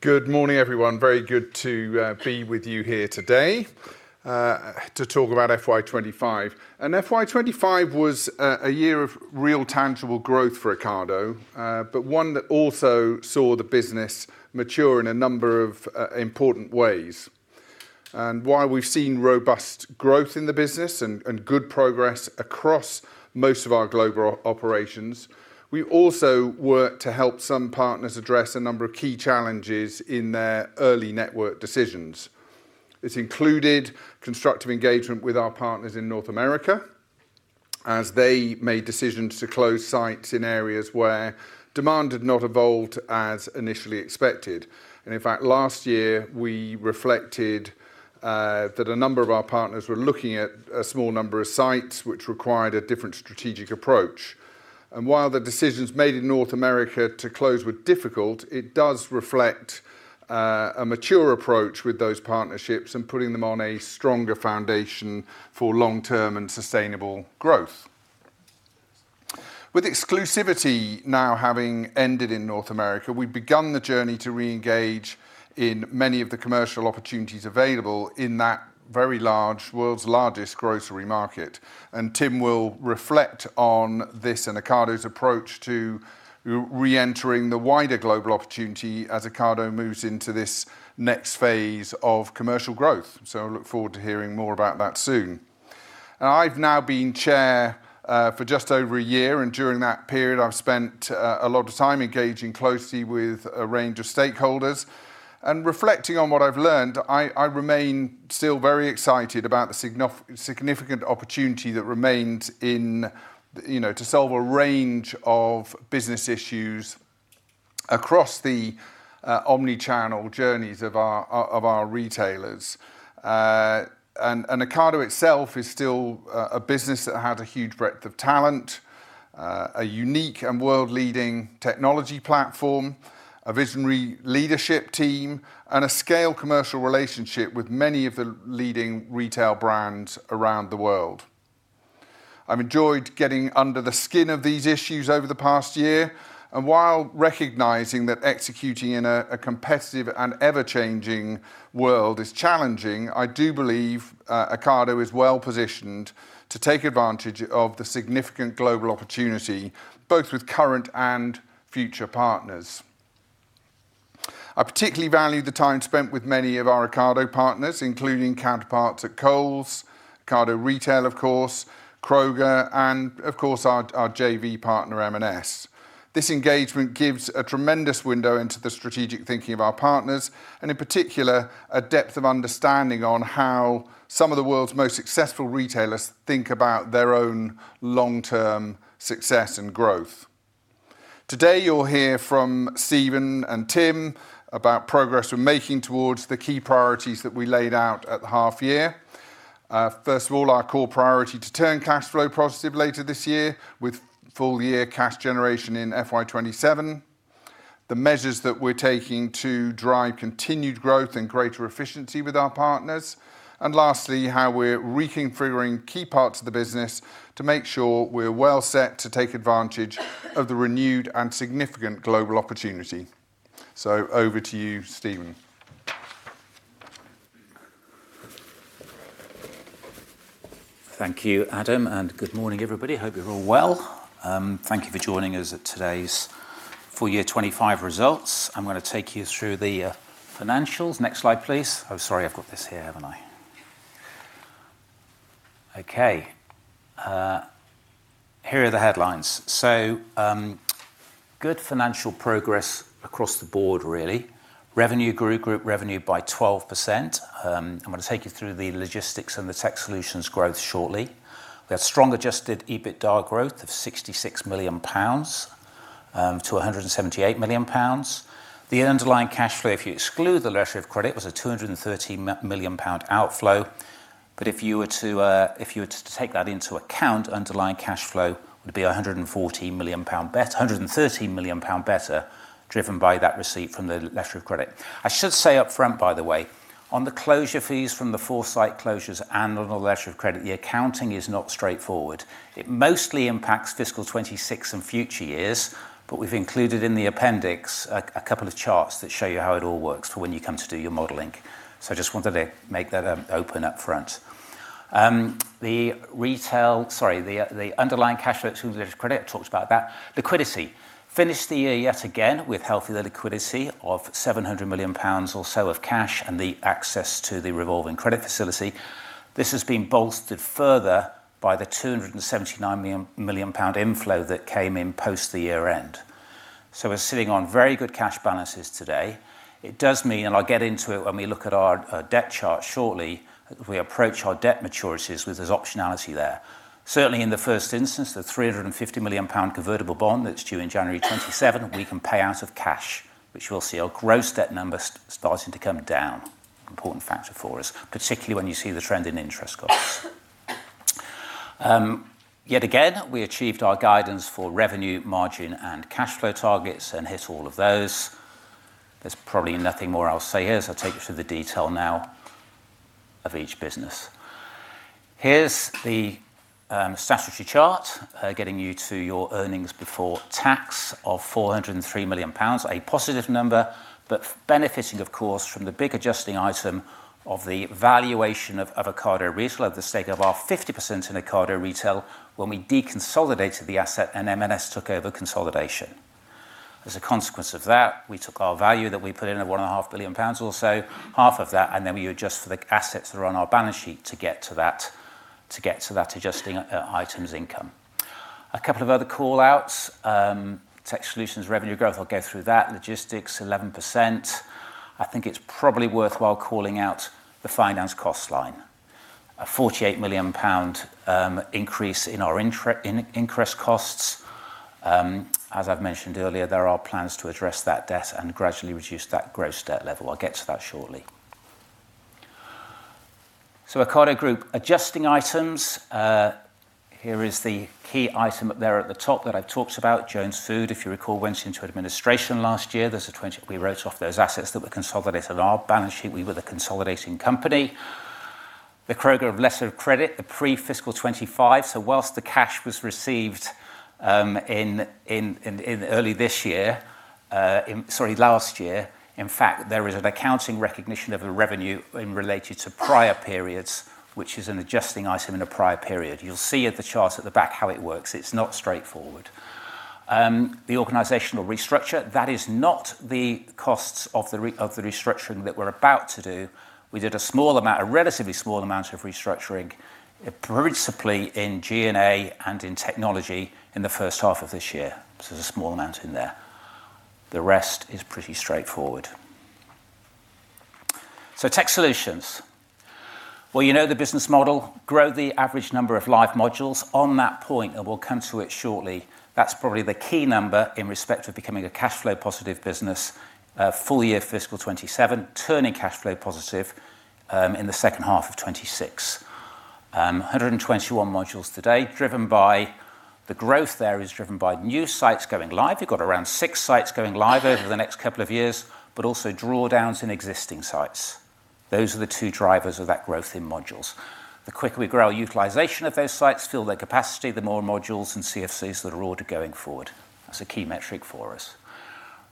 Good morning, everyone. Very good to be with you here today to talk about FY25. FY25 was a year of real tangible growth for Ocado, but one that also saw the business mature in a number of important ways. While we've seen robust growth in the business and good progress across most of our global operations, we also worked to help some partners address a number of key challenges in their early network decisions. This included constructive engagement with our partners in North America, as they made decisions to close sites in areas where demand had not evolved as initially expected. In fact, last year, we reflected that a number of our partners were looking at a small number of sites which required a different strategic approach. While the decisions made in North America to close were difficult, it does reflect a mature approach with those partnerships and putting them on a stronger foundation for long-term and sustainable growth. With exclusivity now having ended in North America, we've begun the journey to re-engage in many of the commercial opportunities available in that very large, world's largest, grocery market. Tim will reflect on this and Ocado's approach to re-entering the wider global opportunity as Ocado moves into this next phase of commercial growth. I look forward to hearing more about that soon. I've now been Chair for just over a year, and during that period, I've spent a lot of time engaging closely with a range of stakeholders. Reflecting on what I've learned, I remain still very excited about the significant opportunity that remains in, you know, to solve a range of business issues across the omni-channel journeys of our retailers. Ocado itself is still a business that has a huge breadth of talent, a unique and world-leading technology platform, a visionary leadership team, and a scale commercial relationship with many of the leading retail brands around the world. I've enjoyed getting under the skin of these issues over the past year, while recognising that executing in a competitive and ever-changing world is challenging, I do believe Ocado is well positioned to take advantage of the significant global opportunity, both with current and future partners. I particularly value the time spent with many of our Ocado partners, including counterparts at Coles, Ocado Retail, of course, Kroger, and of course, our JV partner, M&S. This engagement gives a tremendous window into the strategic thinking of our partners, and in particular, a depth of understanding on how some of the world's most successful retailers think about their own long-term success and growth. Today, you'll hear from Stephen and Tim about progress we're making towards the key priorities that we laid out at the half year. First of all, our core priority to turn cash flow positive later this year, with full-year cash generation in FY27. The measures that we're taking to drive continued growth and greater efficiency with our partners, and lastly, how we're reconfiguring key parts of the business to make sure we're well set to take advantage of the renewed and significant global opportunity. Over to you, Stephen. Thank you, Adam, good morning, everybody. Hope you're all well. Thank you for joining us at today's full year 25 results. I'm going to take you through the financials. Next slide, please. Oh, sorry, I've got this here, haven't I? Here are the headlines. Good financial progress across the board, really. Revenue grew group revenue by 12%. I'm going to take you through the logistics and the tech solutions growth shortly. We had strong Adjusted EBITDA growth of 66 million pounds to 178 million pounds. The underlying cash flow, if you exclude the letter of credit, was a 230 million pound outflow, but if you were to take that into account, underlying cash flow would be 113 million pound better, driven by that receipt from the letter of credit. I should say upfront, by the way, on the closure fees from the 4 site closures and on the letter of credit, the accounting is not straightforward. It mostly impacts fiscal 2026 and future years, but we've included in the appendix a couple of charts that show you how it all works for when you come to do your modeling. I just wanted to make that open upfront. The underlying cash flows to the letter of credit, talked about that. Liquidity. Finished the year yet again with healthy liquidity of 700 million pounds or so of cash and the access to the revolving credit facility. This has been bolstered further by the 279 million pound inflow that came in post the year end. We're sitting on very good cash balances today. It does mean, and I'll get into it when we look at our debt chart shortly, as we approach our debt maturities, which there's optionality there. Certainly, in the first instance, the 350 million pound convertible bond that's due in January 2027, we can pay out of cash, which we'll see our gross debt numbers starting to come down. Important factor for us, particularly when you see the trend in interest costs. Yet again, we achieved our guidance for revenue, margin, and cash flow targets and hit all of those. There's probably nothing more I'll say here, so I'll take you through the detail now of each business. Here's the statutory chart, getting you to your earnings before tax of 403 million pounds, a positive number, but benefiting, of course, from the big adjusting item of the valuation of Ocado Retail of the stake of our 50% in Ocado Retail when we deconsolidated the asset and M&S took over consolidation. As a consequence of that, we took our value that we put in of one and a half billion pounds or so, half of that, and then we adjust for the assets that are on our balance sheet to get to that adjusting item's income. A couple of other call-outs. Tech solutions, revenue growth, I'll go through that. Logistics, 11%. I think it's probably worthwhile calling out the finance cost line. A 48 million pound increase in our interest costs. As I've mentioned earlier, there are plans to address that debt and gradually reduce that gross debt level. I'll get to that shortly. Ocado Group, adjusting items, here is the key item up there at the top that I've talked about. Jones Food, if you recall, went into administration last year. We wrote off those assets that were consolidated on our balance sheet. We were the consolidating company. The Kroger of letter of credit, the pre-FY25. Whilst the cash was received in early this year, in... Sorry, last year, in fact, there is an accounting recognition of the revenue in related to prior periods, which is an adjusting item in a prior period. You'll see at the chart at the back how it works. It's not straightforward. The organizational restructure, that is not the costs of the restructuring that we're about to do. We did a small amount, a relatively small amount of restructuring, principally in G&A and in technology in the first half of this year. There's a small amount in there. The rest is pretty straightforward. Tech solutions. Well, you know the business model, grow the average number of live modules. On that point, and we'll come to it shortly, that's probably the key number in respect of becoming a cash flow positive business, full year fiscal 2027, turning cash flow positive, in the second half of 2026. 121 modules today, driven by the growth there is driven by new sites going live. We've got around 6 sites going live over the next couple of years, but also drawdowns in existing sites. Those are the two drivers of that growth in modules. The quicker we grow our utilization of those sites, fill their capacity, the more modules and CFCs that are ordered going forward. That's a key metric for us.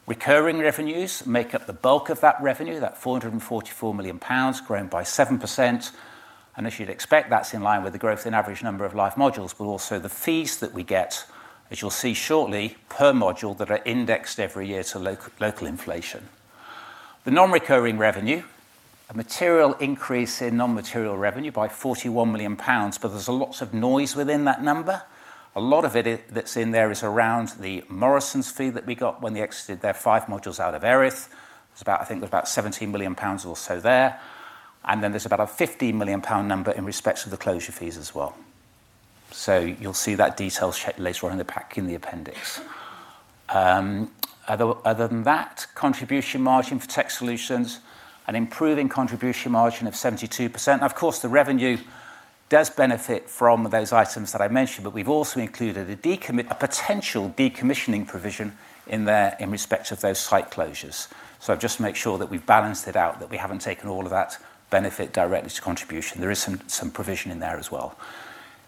Recurring revenues make up the bulk of that revenue, that 444 million pounds, grown by 7%. As you'd expect, that's in line with the growth in average number of live modules, but also the fees that we get, as you'll see shortly, per module, that are indexed every year to local inflation. The non-recurring revenue, a material increase in non-material revenue by 41 million pounds, but there's a lots of noise within that number. A lot of it that's in there is around the Morrisons fee that we got when they exited their 5 modules out of Erith. It's about, I think, about 17 million pounds or so there. Then there's about a 50 million pound number in respect to the closure fees as well. You'll see that detailed later on in the pack, in the appendix. Other than that, contribution margin for tech solutions, an improving contribution margin of 72%. Of course, the revenue does benefit from those items that I mentioned, but we've also included a potential decommissioning provision in there in respect of those site closures. Just to make sure that we've balanced it out, that we haven't taken all of that benefit directly to contribution. There is some provision in there as well.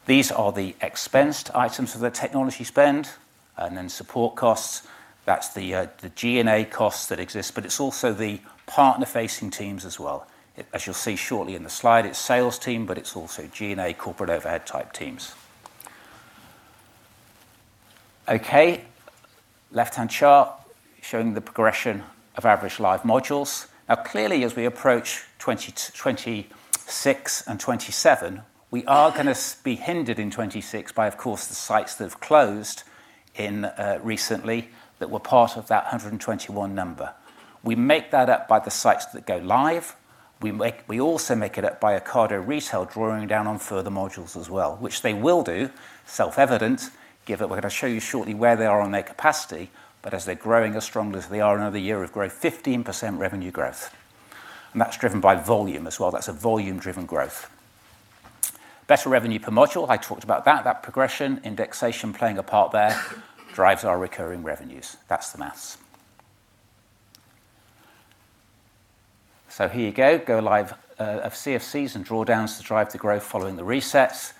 These are the expensed items of the technology spend and then support costs. That's the G&A costs that exist, but it's also the partner-facing teams as well. As you'll see shortly in the slide, it's sales team, but it's also G&A corporate overhead type teams. Left-hand chart showing the progression of average live modules. Now, clearly, as we approach 2026 and 2027, we are gonna be hindered in 2026 by, of course, the sites that have closed in recently that were part of that 121 number. We make that up by the sites that go live. We also make it up by Ocado Retail, drawing down on further modules as well, which they will do, self-evident, given we're gonna show you shortly where they are on their capacity, but as they're growing as strong as they are, another year of growth, 15% revenue growth, and that's driven by volume as well. That's a volume-driven growth. Better revenue per module, I talked about that. That progression, indexation playing a part there, drives our recurring revenues. That's the math. Here you go. Go live of CFCs and drawdowns to drive the growth following the resets.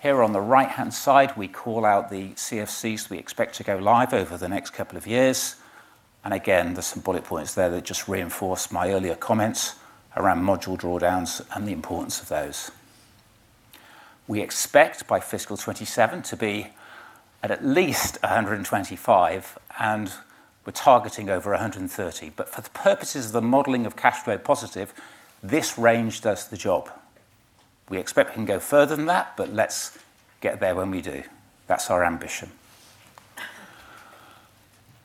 Here on the right-hand side, we call out the CFCs we expect to go live over the next couple of years. There's some bullet points there that just reinforce my earlier comments around module drawdowns and the importance of those. We expect by fiscal 27 to be at least 125, and we're targeting over 130. For the purposes of the modeling of cash flow positive, this range does the job. We expect we can go further than that, but let's get there when we do. That's our ambition.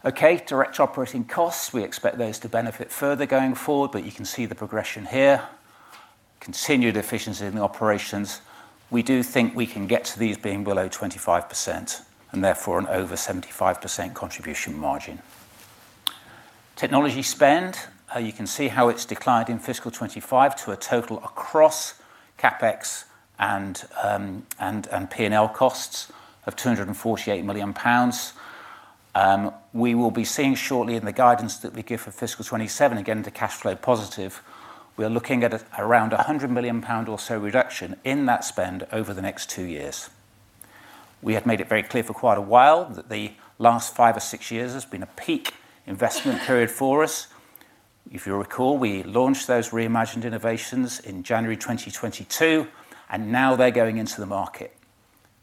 Direct operating costs, we expect those to benefit further going forward, but you can see the progression here. Continued efficiency in the operations. We do think we can get to these being below 25%, and therefore an over 75% contribution margin. Technology spend, you can see how it's declined in FY25 to a total across CapEx and P&L costs of 248 million pounds. We will be seeing shortly in the guidance that we give for FY27, again, to cash flow positive. We are looking at around a 100 million pound or so reduction in that spend over the next two years. We have made it very clear for quite a while that the last five or six years has been a peak investment period for us. If you recall, we launched those Re:Imagined innovations in January 2022, and now they're going into the market,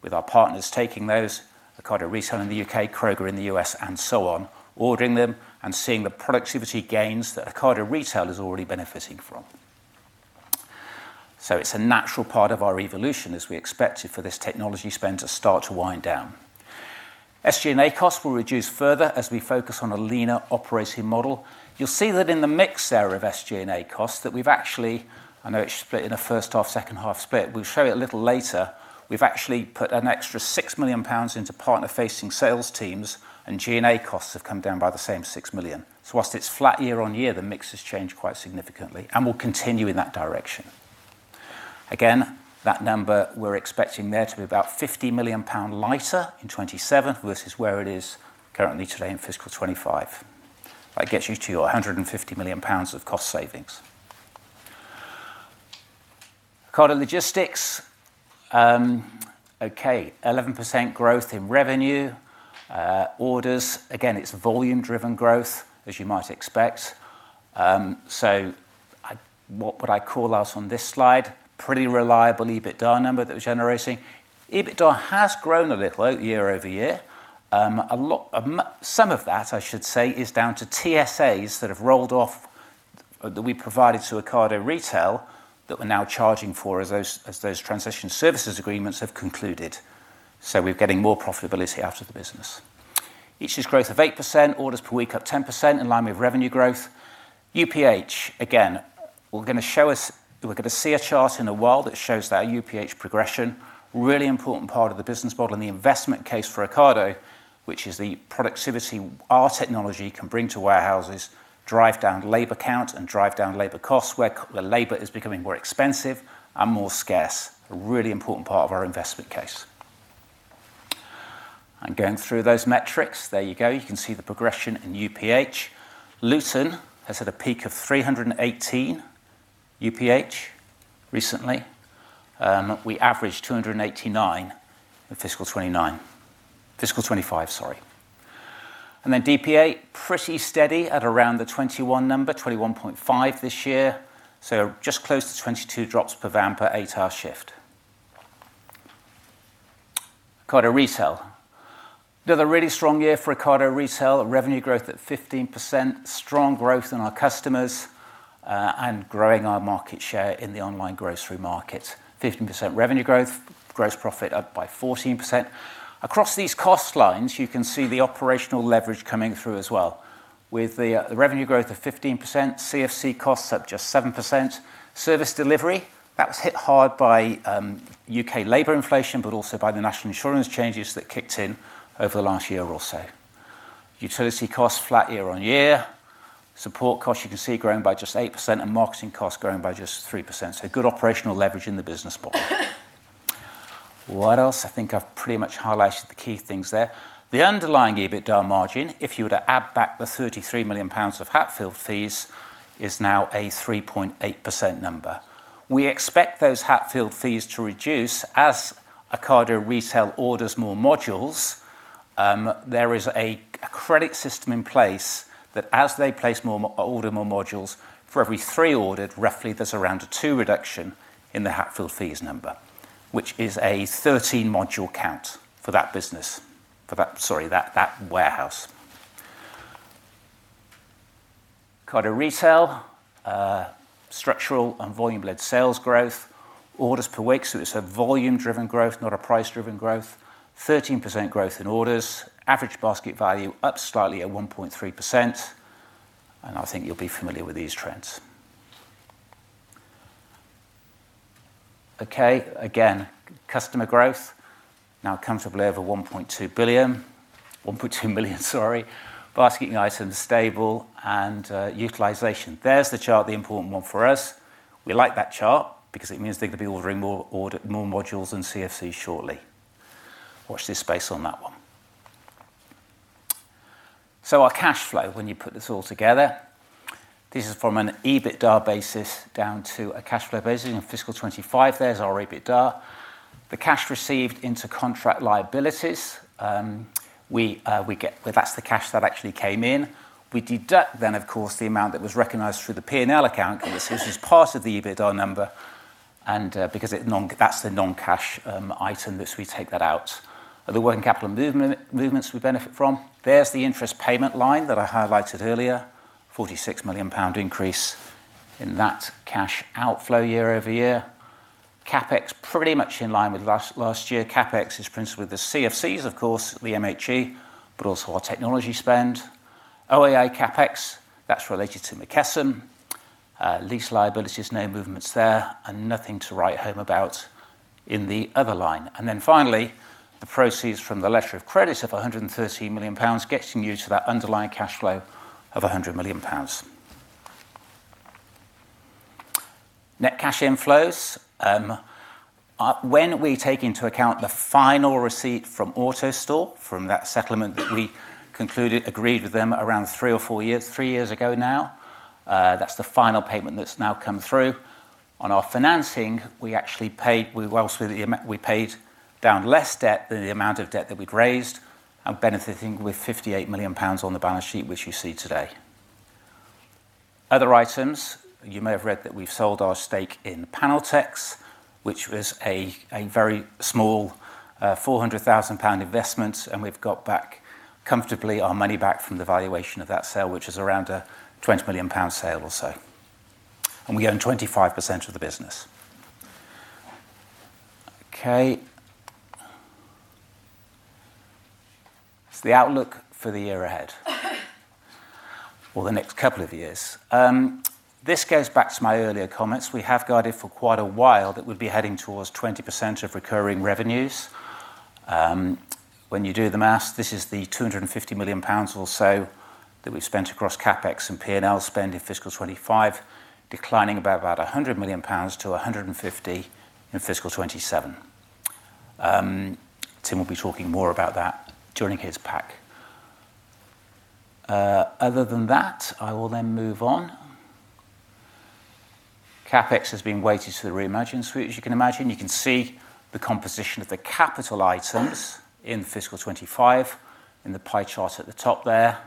with our partners taking those, Ocado Retail in the U.K., Kroger in the U.S., and so on, ordering them and seeing the productivity gains that Ocado Retail is already benefiting from. It's a natural part of our evolution, as we expected, for this technology spend to start to wind down. SG&A costs will reduce further as we focus on a leaner operating model. You'll see that in the mix area of SG&A costs, that we've actually, I know it's split in a first half, second half split. We'll show it a little later. We've actually put an extra 6 million pounds into partner-facing sales teams, and G&A costs have come down by the same 6 million. Whilst it's flat year-on-year, the mix has changed quite significantly and will continue in that direction. Again, that number, we're expecting there to be about 50 million pound lighter in 2027 versus where it is currently today in fiscal 2025. That gets you to your 150 million pounds of cost savings. Ocado Logistics, okay, 11% growth in revenue, orders. Again, it's volume-driven growth, as you might expect. What would I call us on this slide? Pretty reliable EBITDA number that we're generating. EBITDA has grown a little year-over-year. A lot, some of that, I should say, is down to TSAs that have rolled off that we provided to Ocado Retail that we're now charging for as those Transition Service Agreements have concluded. We're getting more profitability out of the business. Issues growth of 8%, orders per week up 10%, in line with revenue growth. UPH, again, we're going to see a chart in a while that shows that UPH progression, really important part of the business model and the investment case for Ocado, which is the productivity our technology can bring to warehouses, drive down labor count, and drive down labor costs, where labor is becoming more expensive and more scarce. A really important part of our investment case. Going through those metrics, there you go. You can see the progression in UPH. Luton has had a peak of 318 UPH recently, we averaged 289 in fiscal 2029. Fiscal 2025, sorry. DPA, pretty steady at around the 21 number, 21.5 this year, so just close to 22 drops per van per 8-hour shift. Ocado Retail. Another really strong year for Ocado Retail. Revenue growth at 15%, strong growth in our customers, and growing our market share in the online grocery market. 15% revenue growth, gross profit up by 14%. Across these cost lines, you can see the operational leverage coming through as well. With the revenue growth of 15%, CFC costs up just 7%. Service delivery, that was hit hard by U.K. labor inflation, but also by the national insurance changes that kicked in over the last year or so. Utility costs flat year-on-year, support costs you can see growing by just 8%, and marketing costs growing by just 3%. Good operational leverage in the business model. What else? I think I've pretty much highlighted the key things there. The underlying EBITDA margin, if you were to add back the 33 million pounds of Hatfield fees, is now a 3.8% number. We expect those Hatfield fees to reduce as Ocado Retail orders more modules. There is a credit system in place that as they place order more modules, for every 3 ordered, roughly, there's around a 2 reduction in the Hatfield fees number, which is a 13-module count for that business. For that warehouse. Ocado Retail, structural and volume-led sales growth, orders per week, so it's a volume-driven growth, not a price-driven growth. 13% growth in orders, average basket value up slightly at 1.3%, and I think you'll be familiar with these trends. Okay. Again, customer growth now comfortably over 1.2 billion, 1.2 million, sorry. Basket items stable and utilization. There's the chart, the important one for us. We like that chart because it means they're going to be ordering more modules and CFC shortly. Watch this space on that one. Our cash flow, when you put this all together, this is from an EBITDA basis down to a cash flow basis. In fiscal 25, there's our EBITDA. The cash received into contract liabilities, we get. Well, that's the cash that actually came in. We deduct then, of course, the amount that was recognized through the P&L account, which is part of the EBITDA number. Because that's the non-cash item, thus we take that out. The working capital movements we benefit from. There's the interest payment line that I highlighted earlier, 46 million pound increase in that cash outflow year-over-year. CapEx pretty much in line with last year. CapEx is principally the CFCs, of course, the MHE, but also our technology spend. OIA CapEx, that's related to McKesson. Lease liabilities, no movements there, and nothing to write home about in the other line. Finally, the proceeds from the letter of credit of 130 million pounds gets you to that underlying cash flow of 100 million pounds. Net cash inflows, when we take into account the final receipt from AutoStore, from that settlement that we concluded, agreed with them 3 years ago now, that's the final payment that's now come through. On our financing, we actually paid, we paid down less debt than the amount of debt that we'd raised and benefiting with 58 million pounds on the balance sheet, which you see today. Other items, you may have read that we've sold our stake in Paneltex, which was a very small, GBP 400,000 investment, and we've got back comfortably our money back from the valuation of that sale, which is around a 20 million pound sale or so, and we own 25% of the business. Okay. It's the outlook for the year ahead, or the next couple of years. This goes back to my earlier comments. We have guided for quite a while that we'd be heading towards 20% of recurring revenues. When you do the math, this is the 250 million pounds or so that we've spent across CapEx and P&L spend in fiscal 25, declining by about 100 million pounds to 150 million in fiscal 27. Tim will be talking more about that during his pack. Other than that, I will then move on. CapEx has been weighted to the Re:Imagined suite, as you can imagine. You can see the composition of the capital items in fiscal 25, in the pie chart at the top there.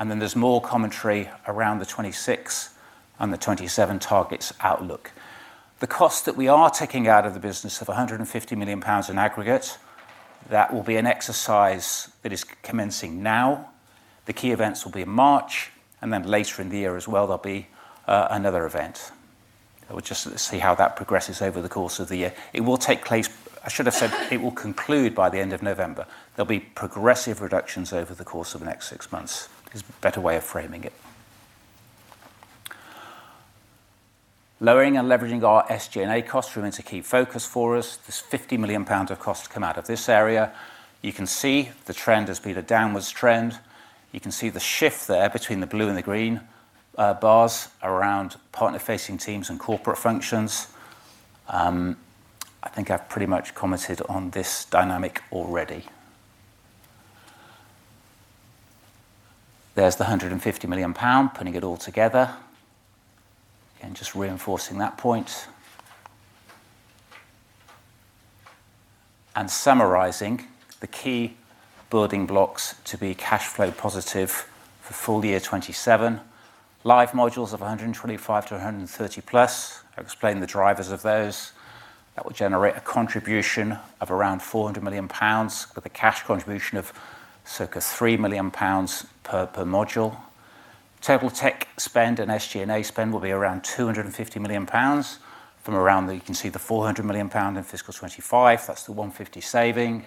There's more commentary around the 26 and the 27 targets outlook. The cost that we are taking out of the business of 150 million pounds in aggregate, that will be an exercise that is commencing now. The key events will be in March, later in the year as well, there'll be another event. We'll just see how that progresses over the course of the year. I should have said, it will conclude by the end of November. There'll be progressive reductions over the course of the next six months, is a better way of framing it. Lowering and leveraging our SG&A costs remains a key focus for us. There's 50 million pounds of costs come out of this area. You can see the trend has been a downwards trend. You can see the shift there between the blue and the green bars around partner-facing teams and corporate functions. I think I've pretty much commented on this dynamic already. There's the 150 million pound, putting it all together, and just reinforcing that point. Summarizing the key building blocks to be cash flow positive for FY27. Live modules of 125 to 130+. I've explained the drivers of those. That will generate a contribution of around 400 million pounds, with a cash contribution of circa 3 million pounds per module. Total tech spend and SG&A spend will be around 250 million pounds from around. You can see the 400 million pound in FY25, that's the 150 saving.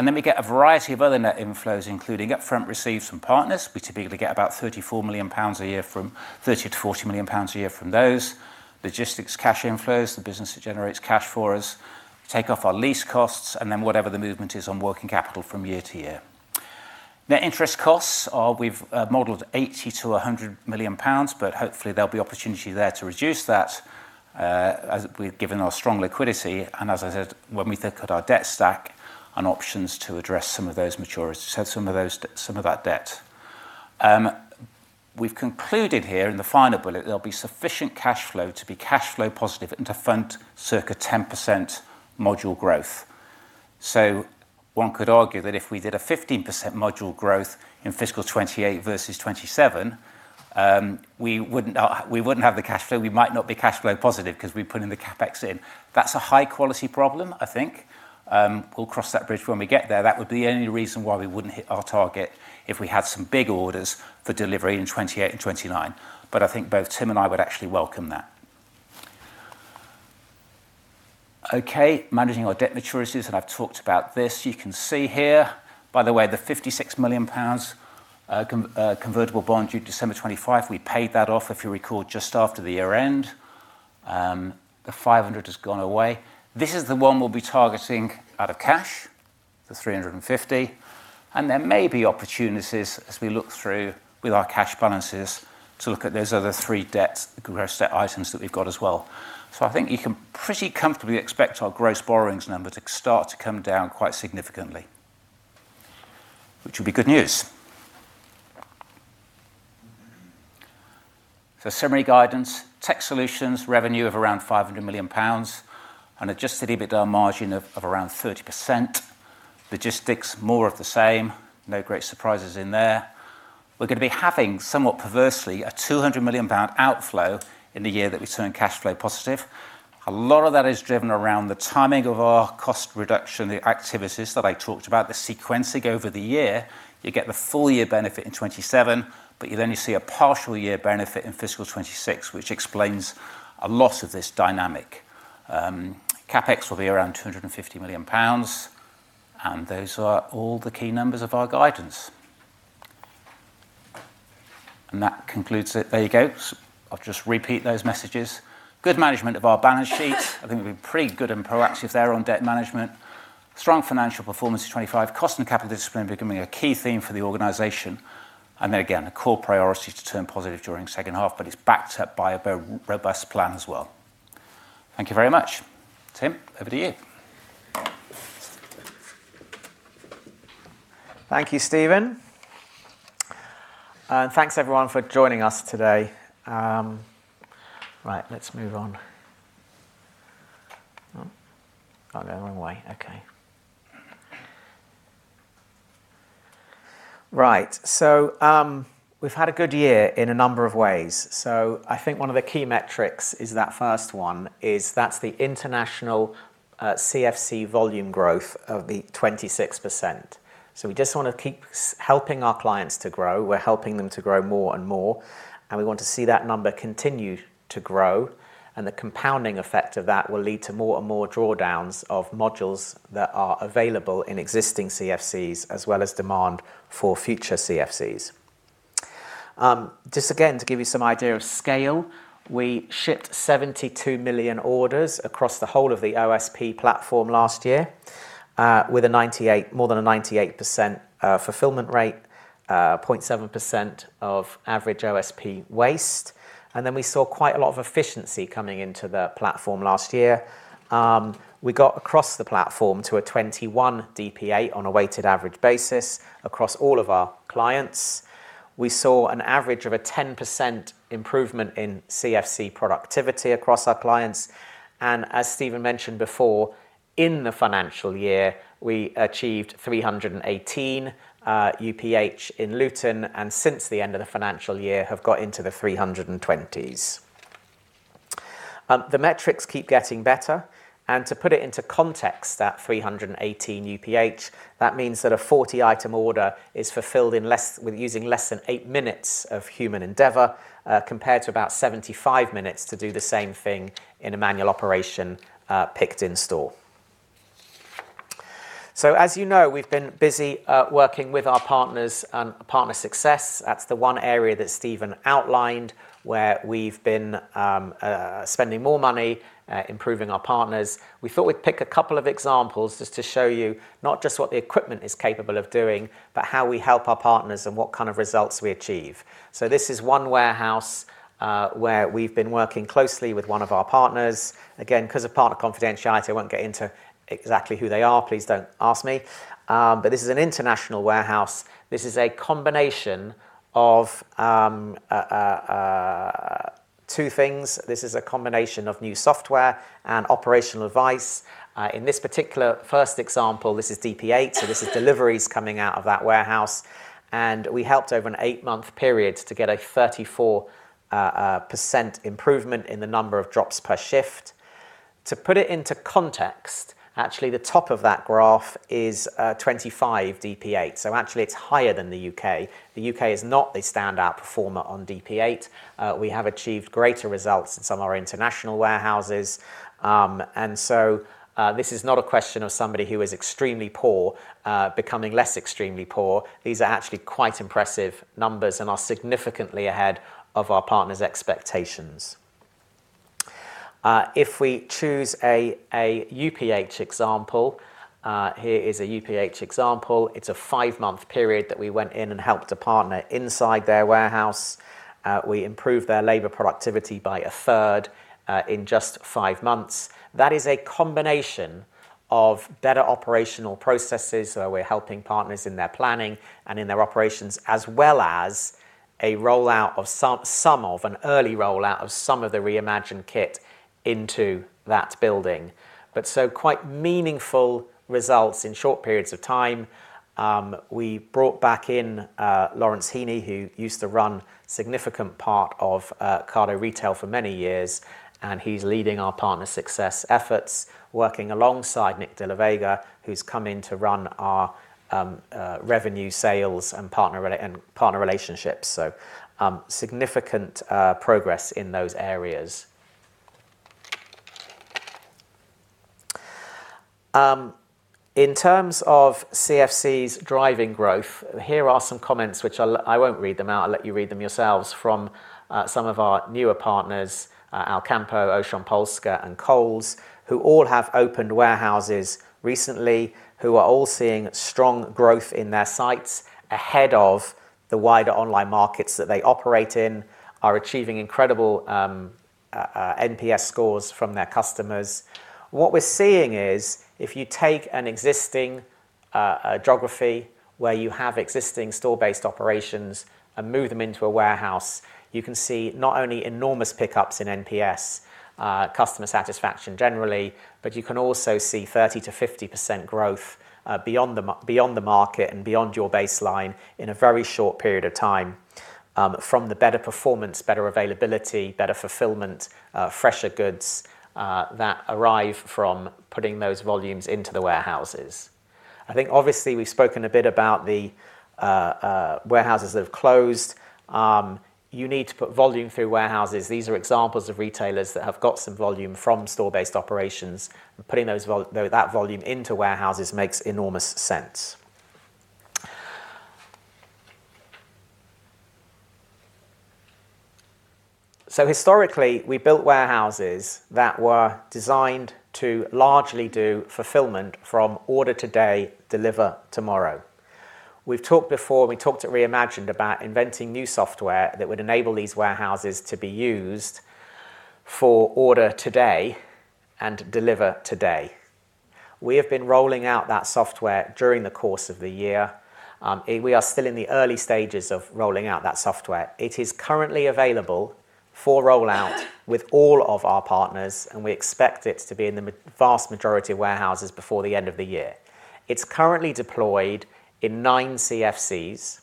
Then we get a variety of other net inflows, including upfront receipts from partners. We typically get about 34 million pounds a year from 30 million-40 million pounds a year from those. Logistics cash inflows, the business that generates cash for us, take off our lease costs and then whatever the movement is on working capital from year to year. Net interest costs are, we've modeled 80 million-100 million pounds, but hopefully there'll be opportunity there to reduce that as we've given our strong liquidity, and as I said, when we think about our debt stack and options to address some of those maturities, some of that debt. We've concluded here in the final bullet, there'll be sufficient cash flow to be cash flow positive and to fund circa 10% module growth. One could argue that if we did a 15% module growth in FY28 versus FY27, we wouldn't have the cash flow. We might not be cash flow positive 'cause we're putting the CapEx in. That's a high-quality problem, I think. We'll cross that bridge when we get there. That would be the only reason why we wouldn't hit our target, if we had some big orders for delivery in 2028 and 2029, but I think both Tim and I would actually welcome that. Okay, managing our debt maturities, and I've talked about this. You can see here, by the way, the 56 million pounds convertible bond due December 2025, we paid that off, if you recall, just after the year-end. The 500 has gone away. This is the one we'll be targeting out of cash, the 350, and there may be opportunities as we look through with our cash balances to look at those other three debts, gross debt items that we've got as well. I think you can pretty comfortably expect our gross borrowings number to start to come down quite significantly, which will be good news. Summary guidance, tech solutions, revenue of around 500 million pounds and Adjusted EBITDA margin of around 30%. Logistics, more of the same, no great surprises in there. We're gonna be having, somewhat perversely, a 200 million pound outflow in the year that we turn cash flow positive. A lot of that is driven around the timing of our cost reduction, the activities that I talked about, the sequencing over the year. You get the full year benefit in 2027, but you then only see a partial year benefit in fiscal 2026, which explains a lot of this dynamic. CapEx will be around 250 million pounds, and those are all the key numbers of our guidance. That concludes it. There you go. I'll just repeat those messages. Good management of our balance sheet. I think we've been pretty good and proactive there on debt management. Strong financial performance, FY25. Cost and capital discipline becoming a key theme for the organization. Then again, the core priority is to turn positive during second half, but it's backed up by a very robust plan as well. Thank you very much. Tim, over to you. Thank you, Stephen. Thanks everyone for joining us today. Right, let's move on. I've gone the wrong way. Okay. Right. We've had a good year in a number of ways. I think one of the key metrics is that first one, is that's the international CFC volume growth of the 26%. We just wanna keep helping our clients to grow. We're helping them to grow more and more, and we want to see that number continue to grow, and the compounding effect of that will lead to more and more drawdowns of modules that are available in existing CFCs, as well as demand for future CFCs. Just again, to give you some idea of scale, we shipped 72 million orders across the whole of the OSP platform last year, with more than a 98% fulfillment rate, 0.7% of average OSP waste. We saw quite a lot of efficiency coming into the platform last year. We got across the platform to a 21 DPA on a weighted average basis across all of our clients. We saw an average of a 10% improvement in CFC productivity across our clients. As Stephen mentioned before, in the financial year, we achieved 318 UPH in Luton, and since the end of the financial year, have got into the 320s. The metrics keep getting better. To put it into context, that 318 UPH, that means that a 40-item order is fulfilled using less than 8 minutes of human endeavor, compared to about 75 minutes to do the same thing in a manual operation, picked in-store. As you know, we've been busy working with our partners on partner success. That's the 1 area that Stephen outlined, where we've been spending more money improving our partners. We thought we'd pick a couple of examples just to show you not just what the equipment is capable of doing, but how we help our partners and what kind of results we achieve. This is 1 warehouse where we've been working closely with 1 of our partners. Again, because of partner confidentiality, I won't get into exactly who they are. Please don't ask me. This is an international warehouse. This is a combination of 2 things. This is a combination of new software and operational advice. In this particular first example, this is DPA, so this is deliveries coming out of that warehouse, and we helped over an 8-month period to get a 34% improvement in the number of drops per shift. To put it into context, actually, the top of that graph is 25 DPA, so actually it's higher than the U.K. The U.K. is not a standout performer on DPA. We have achieved greater results in some of our international warehouses. This is not a question of somebody who is extremely poor, becoming less extremely poor. These are actually quite impressive numbers and are significantly ahead of our partners' expectations. If we choose a UPH example, here is a UPH example. It's a 5-month period that we went in and helped a partner inside their warehouse. We improved their labor productivity by a third in just 5 months. That is a combination of better operational processes, so we're helping partners in their planning and in their operations, as well as a rollout of some of an early rollout of some of the Re:Imagined kit into that building. Quite meaningful results in short periods of time. We brought back in Laurence Hene, who used to run significant part of Ocado Retail for many years, he's leading our partner success efforts, working alongside Nik De la Vega, who's come in to run our revenue, sales, and partner relationships. Significant progress in those areas. In terms of CFCs driving growth, here are some comments which I won't read them out. I'll let you read them yourselves from some of our newer partners, Alcampo, Auchan Polska, and Coles, who all have opened warehouses recently, who are all seeing strong growth in their sites ahead of the wider online markets that they operate in, are achieving incredible NPS scores from their customers. What we're seeing is, if you take an existing geography where you have existing store-based operations and move them into a warehouse, you can see not only enormous pickups in NPS, customer satisfaction generally, but you can also see 30%-50% growth beyond the market and beyond your baseline in a very short period of time, from the better performance, better availability, better fulfillment, fresher goods that arrive from putting those volumes into the warehouses. I think obviously, we've spoken a bit about the warehouses that have closed. You need to put volume through warehouses. These are examples of retailers that have got some volume from store-based operations. Putting that volume into warehouses makes enormous sense. Historically, we built warehouses that were designed to largely do fulfillment from order today, deliver tomorrow. We've talked before, and we talked at Re:Imagined about inventing new software that would enable these warehouses to be used for order today and deliver today. We have been rolling out that software during the course of the year, and we are still in the early stages of rolling out that software. It is currently available for rollout with all of our partners, and we expect it to be in the vast majority of warehouses before the end of the year. It's currently deployed in nine CFCs.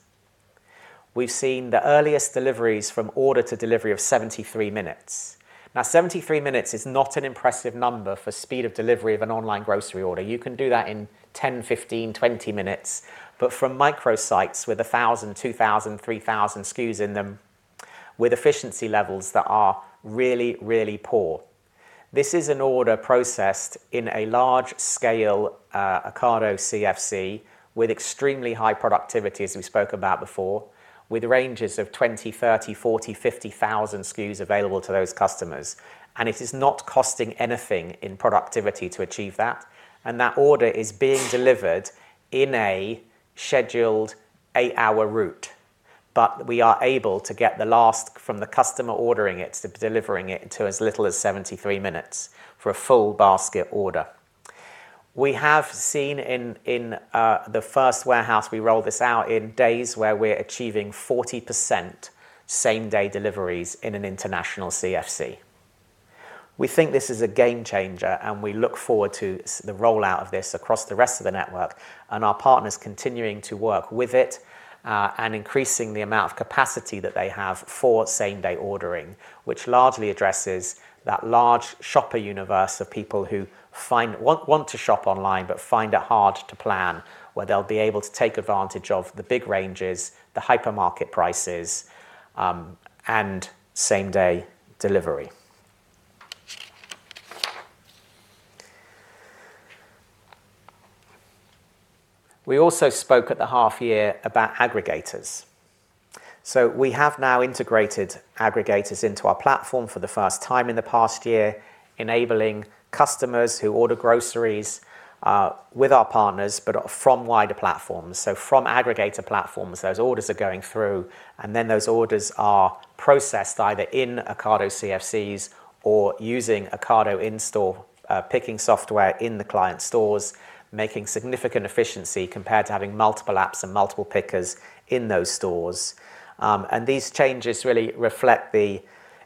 We've seen the earliest deliveries from order to delivery of 73 minutes. 73 minutes is not an impressive number for speed of delivery of an online grocery order. You can do that in 10, 15, 20 minutes, from microsites with 1,000, 2,000, 3,000 SKUs in them, with efficiency levels that are really, really poor. This is an order processed in a large-scale Ocado CFC with extremely high productivity, as we spoke about before, with ranges of 20,000, 30,000, 40,000, 50,000 SKUs available to those customers, and it is not costing anything in productivity to achieve that. That order is being delivered in a scheduled 8-hour route, we are able to get the last from the customer ordering it to delivering it to as little as 73 minutes for a full basket order. We have seen in the first warehouse, we rolled this out in days where we're achieving 40% same-day deliveries in an international CFC. We think this is a game changer. We look forward to the rollout of this across the rest of the network and our partners continuing to work with it and increasing the amount of capacity that they have for same-day ordering, which largely addresses that large shopper universe of people who want to shop online but find it hard to plan, where they'll be able to take advantage of the big ranges, the hypermarket prices and same-day delivery. We also spoke at the half year about aggregators. We have now integrated aggregators into our platform for the first time in the past year, enabling customers who order groceries with our partners, but are from wider platforms. From aggregator platforms, those orders are going through, and then those orders are processed either in Ocado CFCs or using Ocado in-store picking software in the client stores, making significant efficiency compared to having multiple apps and multiple pickers in those stores. These changes really reflect the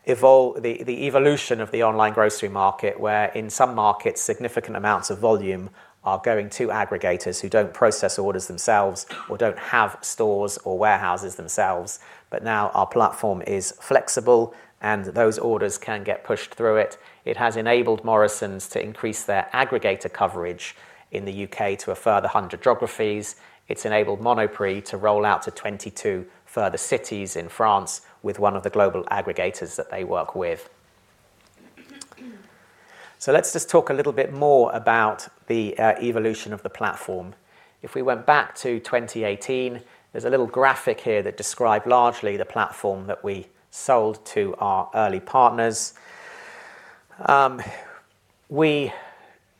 evolution of the online grocery market, where in some markets, significant amounts of volume are going to aggregators who don't process orders themselves or don't have stores or warehouses themselves. Now our platform is flexible, and those orders can get pushed through it. It has enabled Morrisons to increase their aggregator coverage in the U.K. to a further 100 geographies. It's enabled Monoprix to roll out to 22 further cities in France with one of the global aggregators that they work with. Let's just talk a little bit more about the evolution of the platform. If we went back to 2018, there's a little graphic here that describes largely the platform that we sold to our early partners. We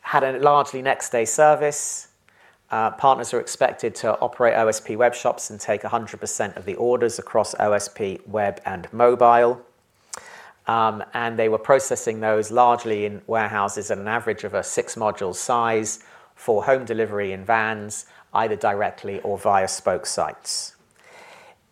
had a largely next-day service. Partners are expected to operate OSP webshops and take 100% of the orders across OSP, web, and mobile. They were processing those largely in warehouses at an average of a 6-module size for home delivery in vans, either directly or via spoke sites.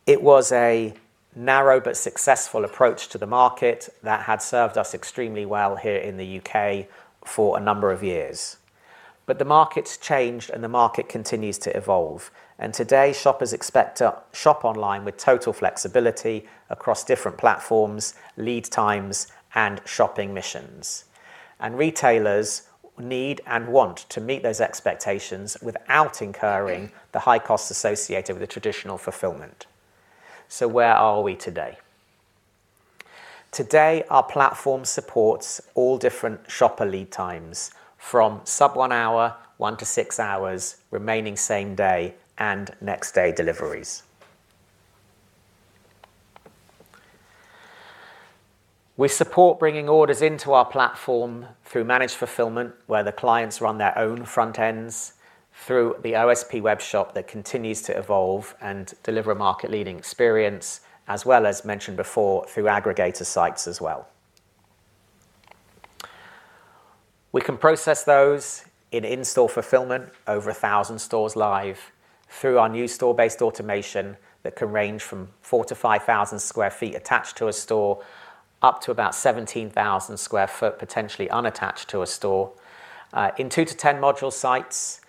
It was a narrow but successful approach to the market that had served us extremely well here in the U.K. for a number of years. The market's changed, the market continues to evolve, and today, shoppers expect to shop online with total flexibility across different platforms, lead times, and shopping missions. Retailers need and want to meet those expectations without incurring the high costs associated with the traditional fulfillment. Where are we today? Today, our platform supports all different shopper lead times, from sub-1 hour, 1 to 6 hours, remaining same-day, and next-day deliveries. We support bringing orders into our platform through managed fulfillment, where the clients run their own front ends through the OSP webshop that continues to evolve and deliver a market-leading experience, as well as mentioned before, through aggregator sites as well. We can process those in-store fulfillment, over 1,000 stores live, through our new store-based automation that can range from 4,000-5,000 sq ft attached to a store, up to about 17,000 sq ft, potentially unattached to a store. In 2-10 module sites,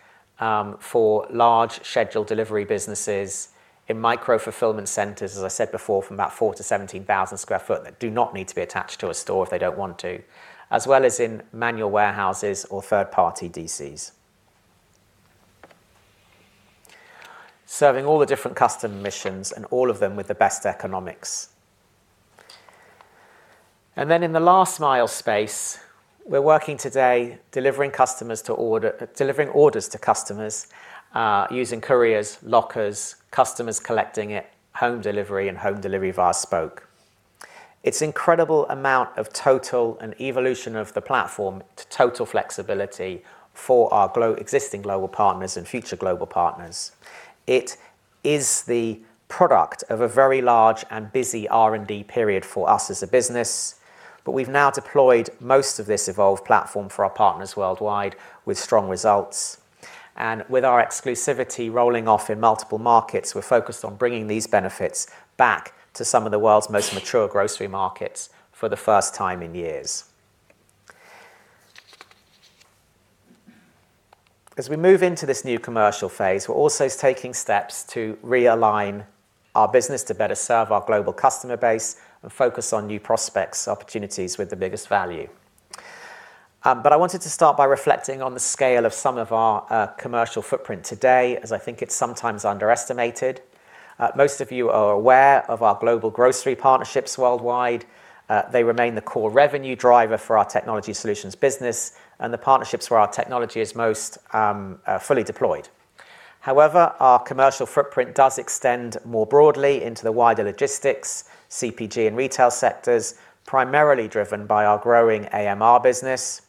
for large scheduled delivery businesses, in micro-fulfillment centers, as I said before, from about 4,000-17,000 sq ft, that do not need to be attached to a store if they don't want to, as well as in manual warehouses or third-party DCs. Serving all the different customer missions and all of them with the best economics. In the last mile space. We're working today, delivering customers to order, delivering orders to customers, using couriers, lockers, customers collecting it, home delivery, and home delivery via spoke. It's incredible amount of total and evolution of the platform to total flexibility for our existing global partners and future global partners. It is the product of a very large and busy R&D period for us as a business. We've now deployed most of this evolved platform for our partners worldwide, with strong results. With our exclusivity rolling off in multiple markets, we're focused on bringing these benefits back to some of the world's most mature grocery markets for the first time in years. As we move into this new commercial phase, we're also taking steps to realign our business to better serve our global customer base and focus on new prospects, opportunities with the biggest value. I wanted to start by reflecting on the scale of some of our commercial footprint today, as I think it's sometimes underestimated. Most of you are aware of our global grocery partnerships worldwide. They remain the core revenue driver for our technology solutions business and the partnerships where our technology is most fully deployed. However, our commercial footprint does extend more broadly into the wider logistics, CPG and retail sectors, primarily driven by our growing AMR business.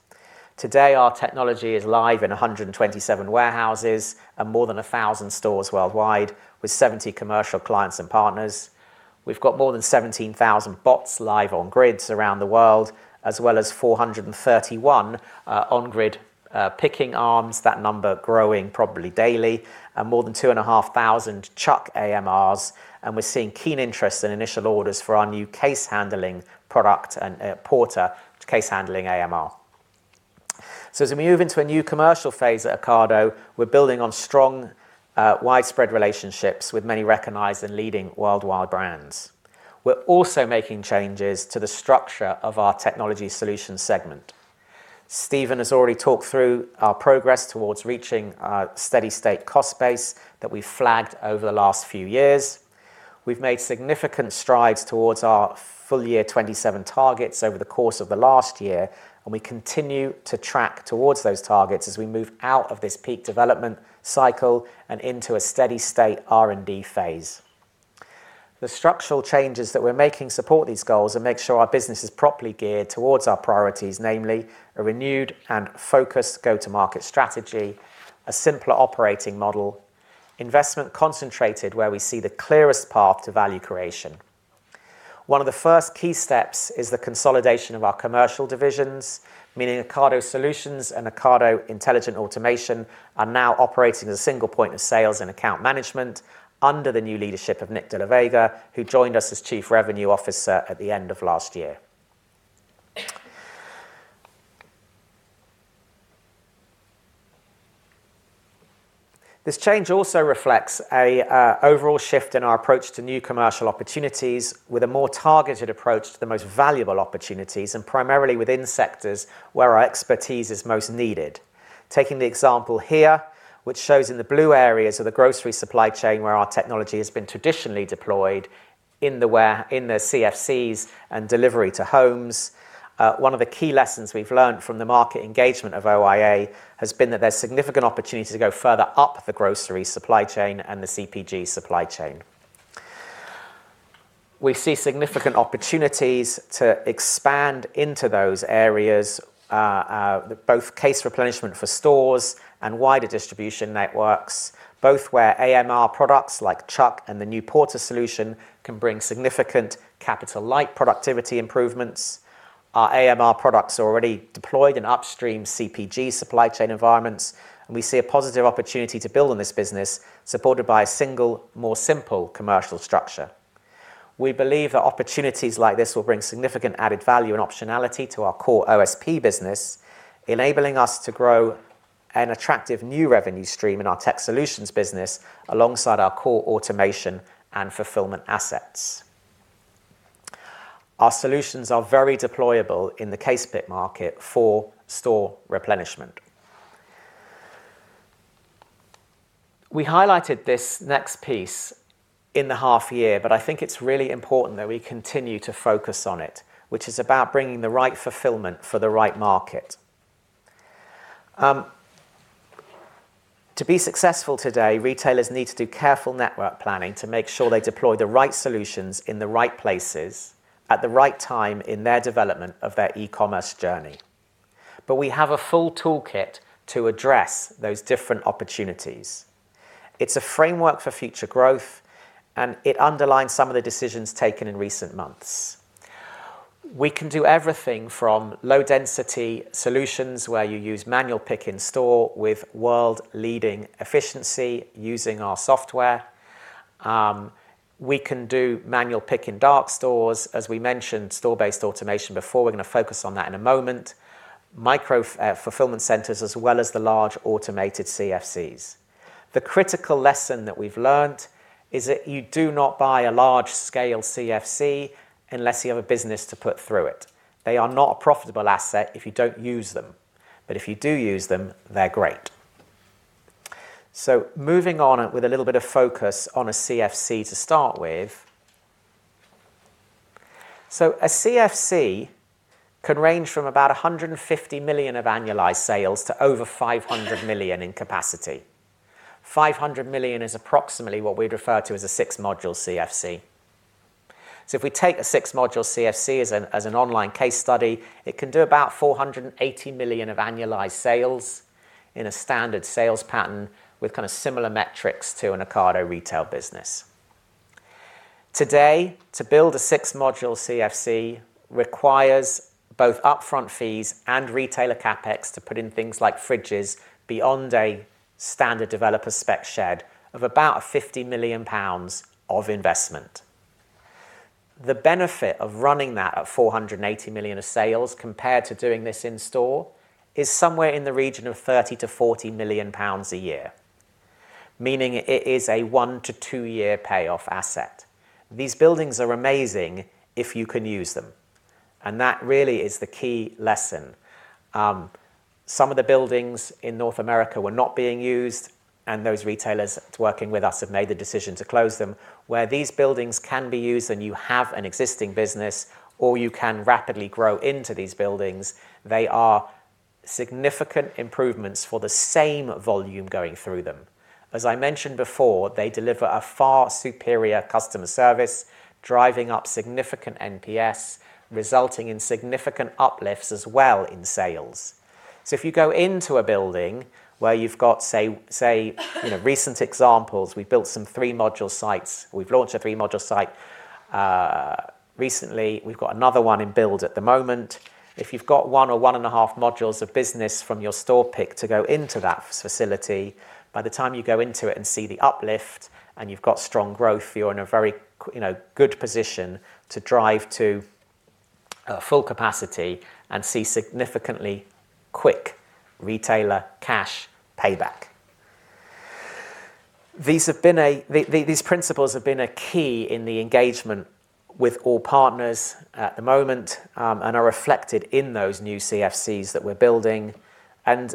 Today, our technology is live in 127 warehouses and more than 1,000 stores worldwide, with 70 commercial clients and partners. We've got more than 17,000 bots live on grids around the world, as well as 431 on-grid picking arms. That number growing probably daily, and more than 2,500 Chuck AMRs, and we're seeing keen interest in initial orders for our new case handling product and Porter case handling AMR. As we move into a new commercial phase at Ocado, we're building on strong, widespread relationships with many recognized and leading worldwide brands. We're also making changes to the structure of our technology solutions segment. Stephen has already talked through our progress towards reaching our steady-state cost base that we flagged over the last few years. We've made significant strides towards our FY27 targets over the course of the last year, and we continue to track towards those targets as we move out of this peak development cycle and into a steady state R&D phase. The structural changes that we're making support these goals and make sure our business is properly geared towards our priorities, namely, a renewed and focused go-to-market strategy, a simpler operating model, investment concentrated where we see the clearest path to value creation. One of the first key steps is the consolidation of our commercial divisions, meaning Ocado Solutions and Ocado Intelligent Automation are now operating as a single point of sales and account management under the new leadership of Nik De la Vega, who joined us as Chief Revenue Officer at the end of last year. This change also reflects a overall shift in our approach to new commercial opportunities, with a more targeted approach to the most valuable opportunities, and primarily within sectors where our expertise is most needed. Taking the example here, which shows in the blue areas of the grocery supply chain, where our technology has been traditionally deployed in the CFCs and delivery to homes. One of the key lessons we've learned from the market engagement of OIA has been that there's significant opportunity to go further up the grocery supply chain and the CPG supply chain. We see significant opportunities to expand into those areas, both case replenishment for stores and wider distribution networks, both where AMR products like Chuck and the new Porter solution can bring significant capital-like productivity improvements. Our AMR products are already deployed in upstream CPG supply chain environments. We see a positive opportunity to build on this business, supported by a single, more simple commercial structure. We believe that opportunities like this will bring significant added value and optionality to our core OSP business, enabling us to grow an attractive new revenue stream in our tech solutions business, alongside our core automation and fulfillment assets. Our solutions are very deployable in the case pick market for store replenishment. We highlighted this next piece in the half year, but I think it's really important that we continue to focus on it, which is about bringing the right fulfillment for the right market. To be successful today, retailers need to do careful network planning to make sure they deploy the right solutions in the right places at the right time in their development of their e-commerce journey. We have a full toolkit to address those different opportunities. It's a framework for future growth, and it underlines some of the decisions taken in recent months. We can do everything from low-density solutions, where you use manual pick in-store with world-leading efficiency, using our software. We can do manual pick in dark stores, as we mentioned, store-based automation before. We're going to focus on that in a moment. Micro fulfillment centers, as well as the large automated CFCs. The critical lesson that we've learned is that you do not buy a large-scale CFC unless you have a business to put through it. They are not a profitable asset if you don't use them, but if you do use them, they're great. Moving on with a little bit of focus on a CFC to start with. A CFC can range from about 150 million of annualized sales to over 500 million in capacity. 500 million is approximately what we'd refer to as a six-module CFC. If we take a six-module CFC as an online case study, it can do about 480 million of annualized sales in a standard sales pattern with kind of similar metrics to an Ocado Retail business. Today, to build a six-module CFC requires both upfront fees and retailer CapEx to put in things like fridges beyond a standard developer spec shed of about 50 million pounds of investment. The benefit of running that at 480 million of sales compared to doing this in-store, is somewhere in the region of 30 million-40 million pounds a year, meaning it is a 1- to 2-year payoff asset. These buildings are amazing if you can use them, and that really is the key lesson. Some of the buildings in North America were not being used. Those retailers working with us have made the decision to close them. Where these buildings can be used and you have an existing business, or you can rapidly grow into these buildings, they are significant improvements for the same volume going through them. As I mentioned before, they deliver a far superior customer service, driving up significant NPS, resulting in significant uplifts as well in sales. If you go into a building where you've got, say, you know, recent examples, we built some three-module sites. We've launched a three-module site recently. We've got another one in build at the moment. If you've got 1 or 1 and a half modules of business from your store pick to go into that facility, by the time you go into it and see the uplift, and you've got strong growth, you're in a very you know, good position to drive to full capacity and see significantly quick retailer cash payback. These principles have been a key in the engagement with all partners at the moment, and are reflected in those new CFCs that we're building.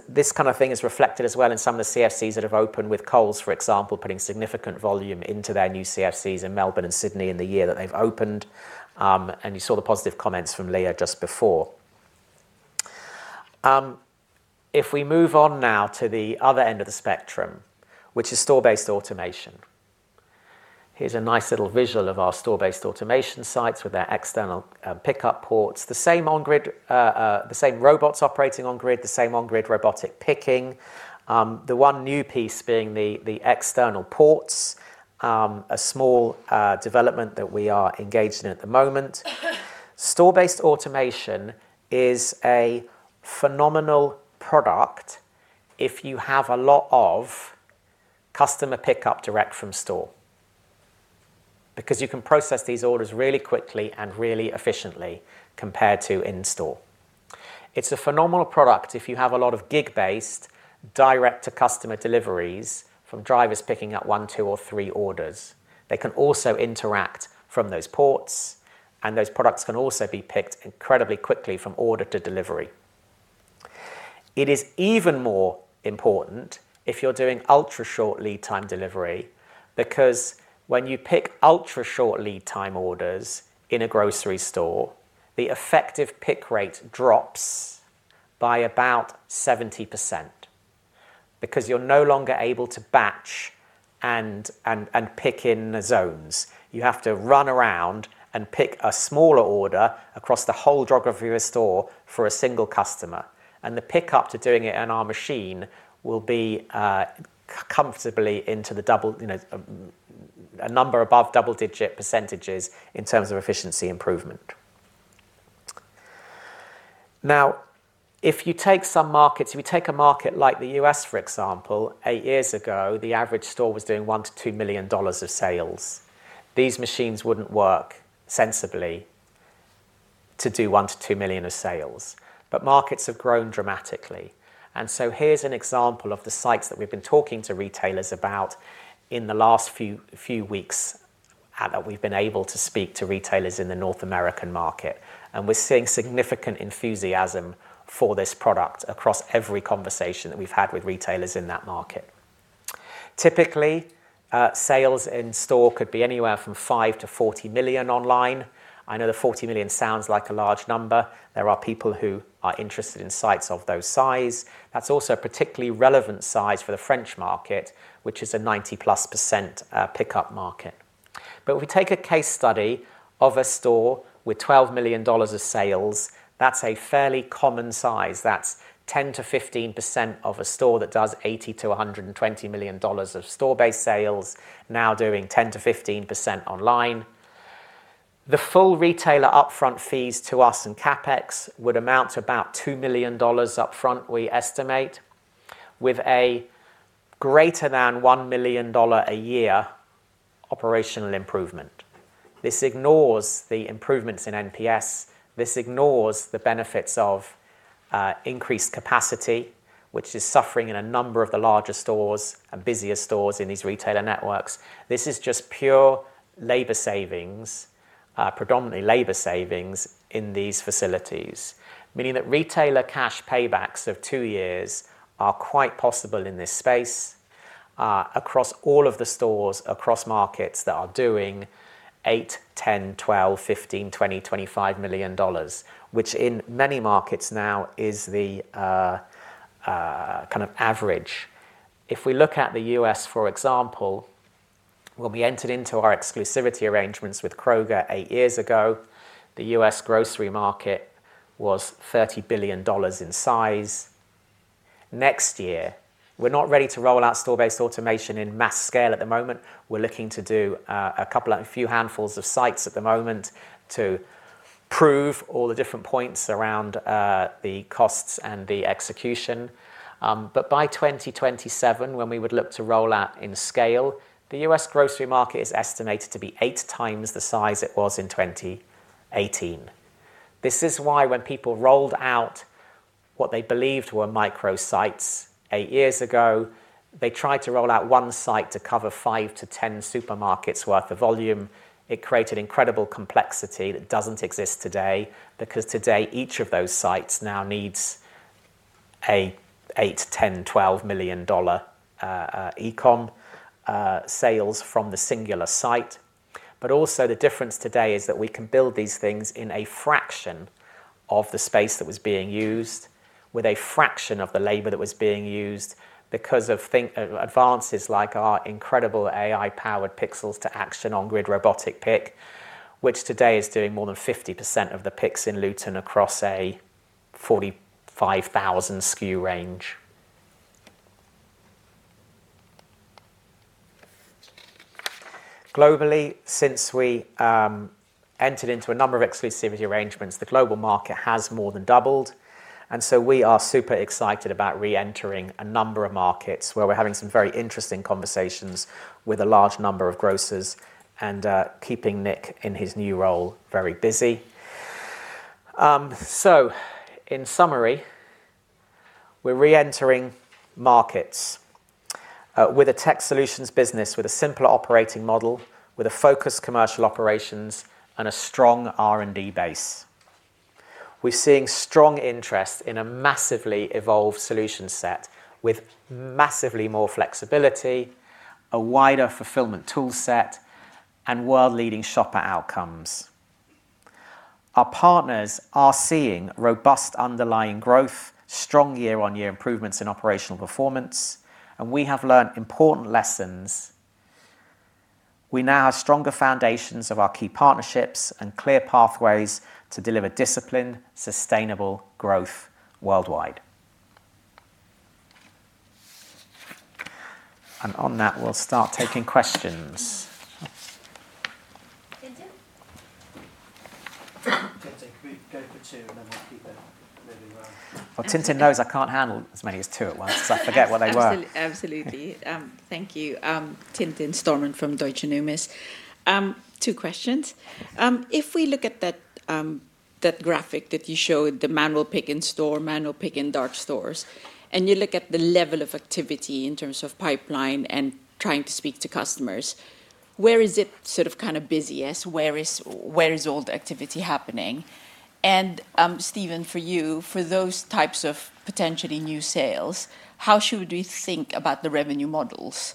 This kind of thing is reflected as well in some of the CFCs that have opened with Coles, for example, putting significant volume into their new CFCs in Melbourne and Sydney in the year that they've opened. You saw the positive comments from Leah just before. If we move on now to the other end of the spectrum, which is store-based automation. Here's a nice little visual of our store-based automation sites with their external pickup ports. The same robots operating on-grid, the same on-grid robotic picking. The one new piece being the external ports, a small development that we are engaged in at the moment. Store-based automation is a phenomenal product if you have a lot of customer pickup direct from store, because you can process these orders really quickly and really efficiently compared to in-store. It's a phenomenal product if you have a lot of gig-based, direct-to-customer deliveries from drivers picking up 1, 2, or 3 orders. They can also interact from those ports, and those products can also be picked incredibly quickly from order to delivery. It is even more important if you're doing ultra-short lead time delivery, because when you pick ultra-short lead time orders in a grocery store, the effective pick rate drops by about 70% because you're no longer able to batch and pick in zones. You have to run around and pick a smaller order across the whole geography of a store for a single customer, and the pickup to doing it in our machine will be comfortably into the double, you know, a number above double-digit percentages in terms of efficiency improvement. If you take some markets, if you take a market like the U.S., for example, 8 years ago, the average store was doing $1 million-$2 million of sales. These machines wouldn't work sensibly to do $1 million-$2 million of sales. Markets have grown dramatically. Here's an example of the sites that we've been talking to retailers about in the last few weeks, and that we've been able to speak to retailers in the North American market, and we're seeing significant enthusiasm for this product across every conversation that we've had with retailers in that market. Typically, sales in-store could be anywhere from $5 million-$40 million online. I know the $40 million sounds like a large number. There are people who are interested in sites of those size. That's also a particularly relevant size for the French market, which is a 90%+ pickup market. If we take a case study of a store with $12 million of sales, that's a fairly common size. That's 10%-15% of a store that does $80 million-$120 million of store-based sales, now doing 10%-15% online. The full retailer upfront fees to us and CapEx would amount to about $2 million upfront, we estimate, with a greater than $1 million a year operational improvement. This ignores the improvements in NPS. This ignores the benefits of increased capacity, which is suffering in a number of the larger stores and busier stores in these retailer networks. This is just pure labor savings, predominantly labor savings in these facilities, meaning that retailer cash paybacks of 2 years are quite possible in this space, across all of the stores, across markets that are doing $8 million, $10 million, $12 million, $15 million, $20 million, $25 million, which in many markets now is the kind of average. We look at the U.S., for example, when we entered into our exclusivity arrangements with Kroger 8 years ago, the U.S. grocery market was $30 billion in size. Next year, we're not ready to roll out store-based automation in mass scale at the moment. We're looking to do a couple, a few handfuls of sites at the moment to prove all the different points around the costs and the execution. By 2027, when we would look to roll out in scale, the U.S. grocery market is estimated to be 8 times the size it was in 2018. This is why when people rolled out what they believed were micro sites 8 years ago, they tried to roll out 1 site to cover 5 to 10 supermarkets worth of volume. It created incredible complexity that doesn't exist today, because today, each of those sites now needs a 8 million, 10 million, 12 million e-com sales from the singular site. Also, the difference today is that we can build these things in a fraction of the space that was being used, with a fraction of the labor that was being used because of advances like our incredible AI-powered pixels to action On-Grid Robotic Pick, which today is doing more than 50% of the picks in Luton across a 45,000 SKU range. Globally, since we entered into a number of exclusivity arrangements, the global market has more than doubled. So we are super excited about re-entering a number of markets, where we're having some very interesting conversations with a large number of grocers and keeping Nick in his new role very busy. In summary, we're re-entering markets, with a tech solutions business, with a simpler operating model, with a focused commercial operations, and a strong R&D base. We're seeing strong interest in a massively evolved solution set with massively more flexibility, a wider fulfillment toolset, and world-leading shopper outcomes. Our partners are seeing robust underlying growth, strong year-on-year improvements in operational performance, and we have learnt important lessons. We now have stronger foundations of our key partnerships and clear pathways to deliver disciplined, sustainable growth worldwide. On that, we'll start taking questions. Tintin Stormont? Tintin Stormont, can we go for two, and then we'll keep it moving well. Well, Tintin Stormont knows I can't handle as many as two at once. I forget what they were. Absolutely. Thank you. Tintin Stormont from Deutsche Numis. Two questions. If we look at that graphic that you showed, the manual pick in-store, manual pick in dark stores, and you look at the level of activity in terms of pipeline and trying to speak to customers, where is it sort of kind of busiest? Where is all the activity happening? Stephen, for you, for those types of potentially new sales, how should we think about the revenue models?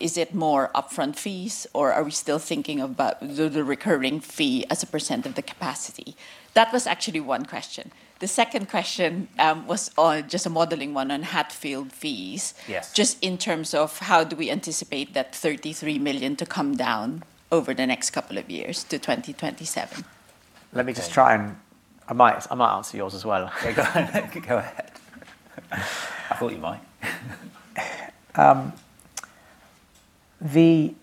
Is it more upfront fees, or are we still thinking about the recurring fee as a percent of the capacity? That was actually one question. The second question was on just a modeling one on Hatfield fees. Yes. Just in terms of how do we anticipate that 33 million to come down over the next couple of years to 2027? I might answer yours as well. Go ahead. Go ahead. I thought you might. The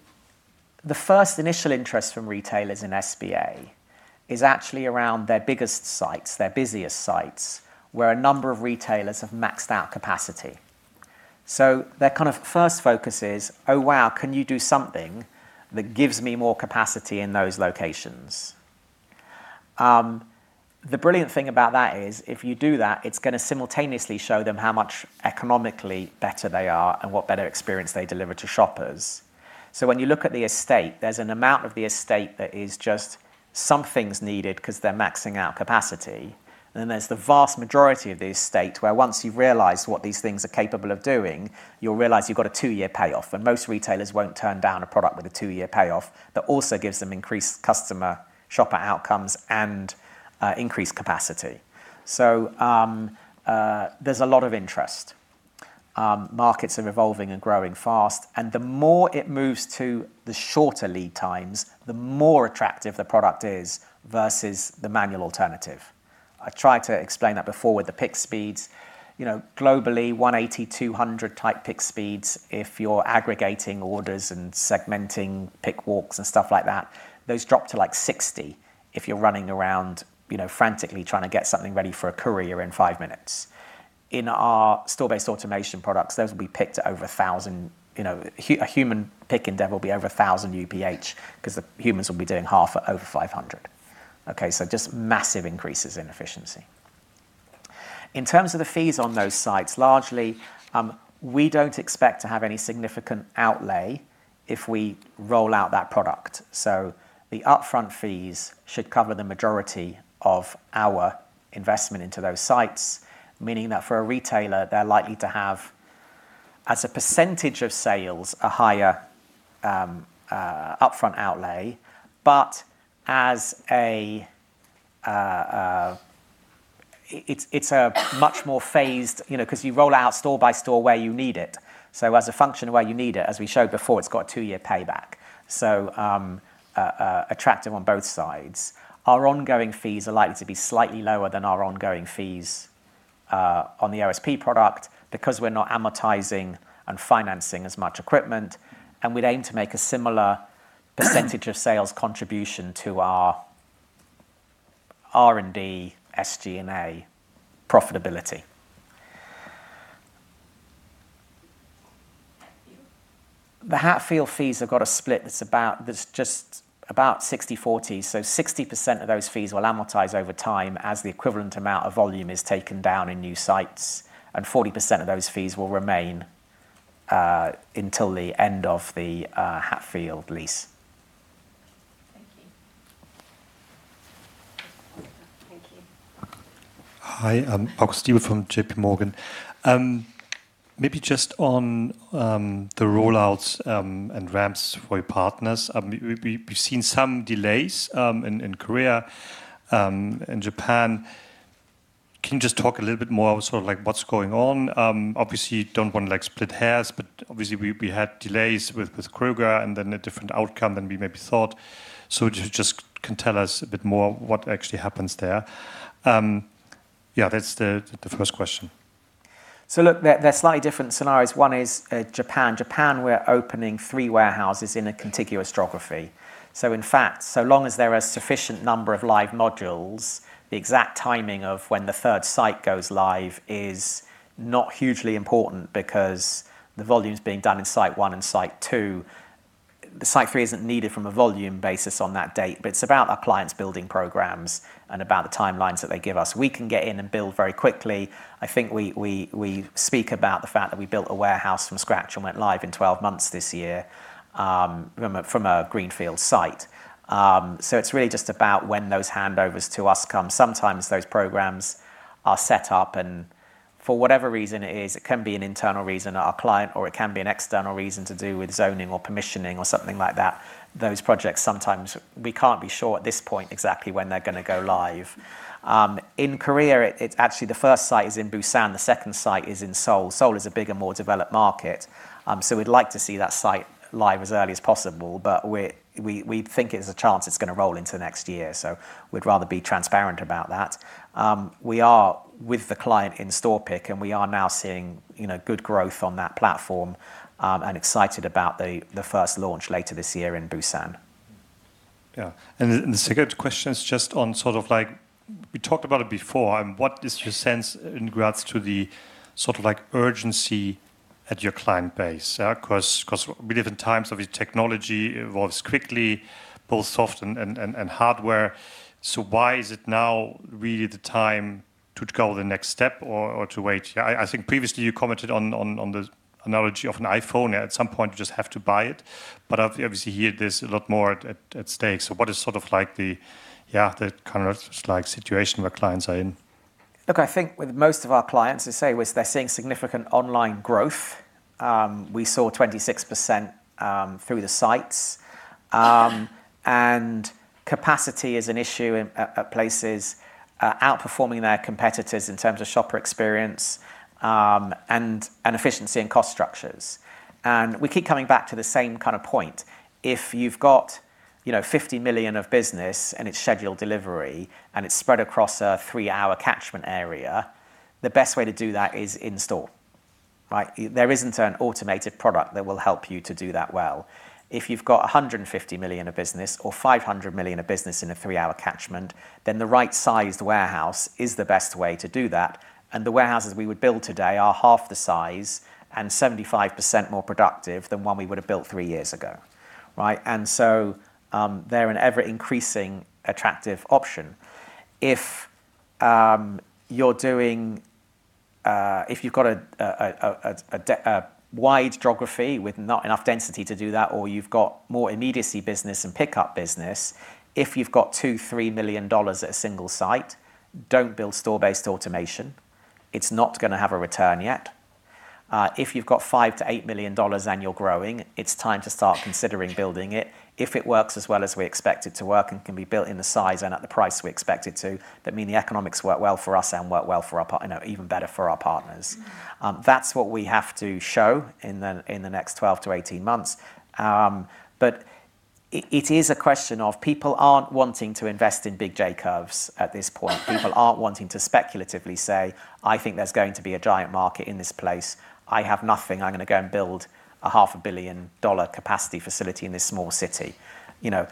first initial interest from retailers in SBA is actually around their biggest sites, their busiest sites, where a number of retailers have maxed out capacity. Their kind of first focus is: "Oh, wow, can you do something that gives me more capacity in those locations?" The brilliant thing about that is, if you do that, it's going to simultaneously show them how much economically better they are and what better experience they deliver to shoppers. When you look at the estate, there's an amount of the estate that is just some things needed because they're maxing out capacity, and then there's the vast majority of the estate, where once you realize what these things are capable of doing, you'll realize you've got a two-year payoff, and most retailers won't turn down a product with a two-year payoff. That also gives them increased customer shopper outcomes and increased capacity. There's a lot of interest. Markets are evolving and growing fast, and the more it moves to the shorter lead times, the more attractive the product is versus the manual alternative. I've tried to explain that before with the pick speeds. You know, globally, 180, 200 type pick speeds, if you're aggregating orders and segmenting pick walks and stuff like that, those drop to, like, 60 if you're running around, you know, frantically trying to get something ready for a courier in 5 minutes. In our store-based automation products, those will be picked at over 1,000, you know, a human picking them will be over 1,000 UPH, 'cause the humans will be doing half at over 500. Just massive increases in efficiency. In terms of the fees on those sites, largely, we don't expect to have any significant outlay if we roll out that product. The upfront fees should cover the majority of our investment into those sites, meaning that for a retailer, they're likely to have, as a percentage of sales, a higher upfront outlay. As a, it's a much more phased, you know, 'cause you roll out store by store where you need it. As a function of where you need it, as we showed before, it's got a two-year payback. Attractive on both sides. Our ongoing fees are likely to be slightly lower than our ongoing fees on the OSP product because we're not amortizing and financing as much equipment, we'd aim to make a similar percentage of sales contribution to our R&D, SG&A profitability. The Hatfield fees have got a split that's just about 60/40. 60% of those fees will amortize over time as the equivalent amount of volume is taken down in new sites, 40% of those fees will remain until the end of the Hatfield lease. Thank you. Thank you. Hi, I'm Marcus Diebel from JPMorgan. Maybe just on the rollouts and ramps for your partners. We've seen some delays in Korea and Japan. Can you just talk a little bit more about sort of like what's going on? Obviously, don't want to like split hairs, but obviously we had delays with Kroger, and then a different outcome than we maybe thought. Can tell us a bit more what actually happens there? Yeah, that's the first question. Look, they're slightly different scenarios. One is Japan. Japan, we're opening 3 warehouses in a contiguous geography. In fact, so long as there are a sufficient number of live modules, the exact timing of when the third site goes live is not hugely important because the volume is being done in site 1 and site 2. The site 3 isn't needed from a volume basis on that date, but it's about our clients building programs and about the timelines that they give us. We can get in and build very quickly. I think we speak about the fact that we built a warehouse from scratch and went live in 12 months this year from a greenfield site. It's really just about when those handovers to us come. Sometimes those programs are set up, and for whatever reason it is, it can be an internal reason at our client, or it can be an external reason to do with zoning or permissioning or something like that. Those projects, sometimes we can't be sure at this point exactly when they're gonna go live. In Korea, it's actually the first site is in Busan, the second site is in Seoul. Seoul is a bigger, more developed market, so we'd like to see that site live as early as possible, but we think there's a chance it's gonna roll into next year, so we'd rather be transparent about that. We are with the client in store pick, and we are now seeing, you know, good growth on that platform, and excited about the first launch later this year in Busan. Yeah. The second question is just on sort of like, we talked about it before, what is your sense in regards to the sort of like urgency at your client base? 'Cause we live in times of technology evolves quickly, both soft and hardware. Why is it now really the time to go the next step or to wait? Yeah, I think previously you commented on the analogy of an iPhone. At some point, you just have to buy it, but obviously here, there's a lot more at stake. What is sort of like the kind of like situation where clients are in? Look, I think with most of our clients, they say was they're seeing significant online growth. We saw 26% through the sites. Capacity is an issue in places outperforming their competitors in terms of shopper experience, and efficiency and cost structures. We keep coming back to the same kind of point. If you've got, you know, 50 million of business and it's scheduled delivery, and it's spread across a 3-hour catchment area, the best way to do that is in-store, right? There isn't an automated product that will help you to do that well. If you've got $150 million of business or $500 million of business in a 3-hour catchment, then the right-sized warehouse is the best way to do that, and the warehouses we would build today are half the size and 75% more productive than one we would have built 3 years ago, right? They're an ever-increasing attractive option. If you've got a wide geography with not enough density to do that, or you've got more immediacy business and pickup business, if you've got $2 million-$3 million at a single site, don't build store-based automation. It's not gonna have a return yet. If you've got $5 million-$8 million and you're growing, it's time to start considering building it. If it works as well as we expect it to work and can be built in the size and at the price we expect it to, that mean the economics work well for us and work well for our you know, even better for our partners. That's what we have to show in the, in the next 12 to 18 months. It is a question of people aren't wanting to invest in big J-curves at this point. People aren't wanting to speculatively say, "I think there's going to be a giant market in this place. I have nothing. I'm gonna go and build a half a billion dollar capacity facility in this small city," You know,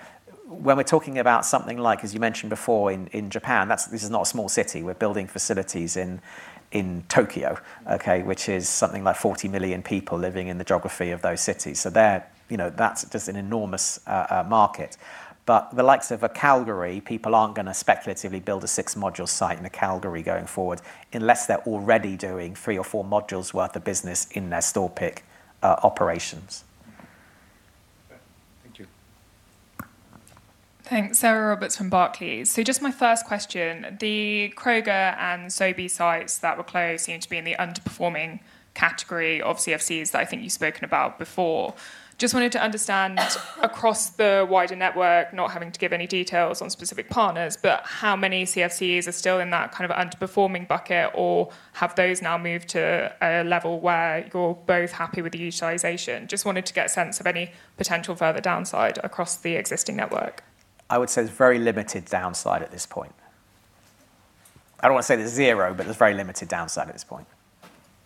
when we're talking about something like, as you mentioned before, in Japan, this is not a small city. We're building facilities in Tokyo, okay, which is something like 40 million people living in the geography of those cities. There, you know, that's just an enormous market. The likes of a Calgary, people aren't going to speculatively build a 6-module site in a Calgary going forward, unless they're already doing 3 or 4 modules worth of business in their store pick operations. Okay. Thank you. Thanks. Sarah Roberts from Barclays. Just my first question, the Kroger and Sobeys sites that were closed seem to be in the underperforming category of CFCs that I think you've spoken about before. Just wanted to understand, across the wider network, not having to give any details on specific partners, but how many CFCs are still in that kind of underperforming bucket, or have those now moved to a level where you're both happy with the utilization? Just wanted to get a sense of any potential further downside across the existing network. I would say there's very limited downside at this point. I don't want to say there's zero, but there's very limited downside at this point.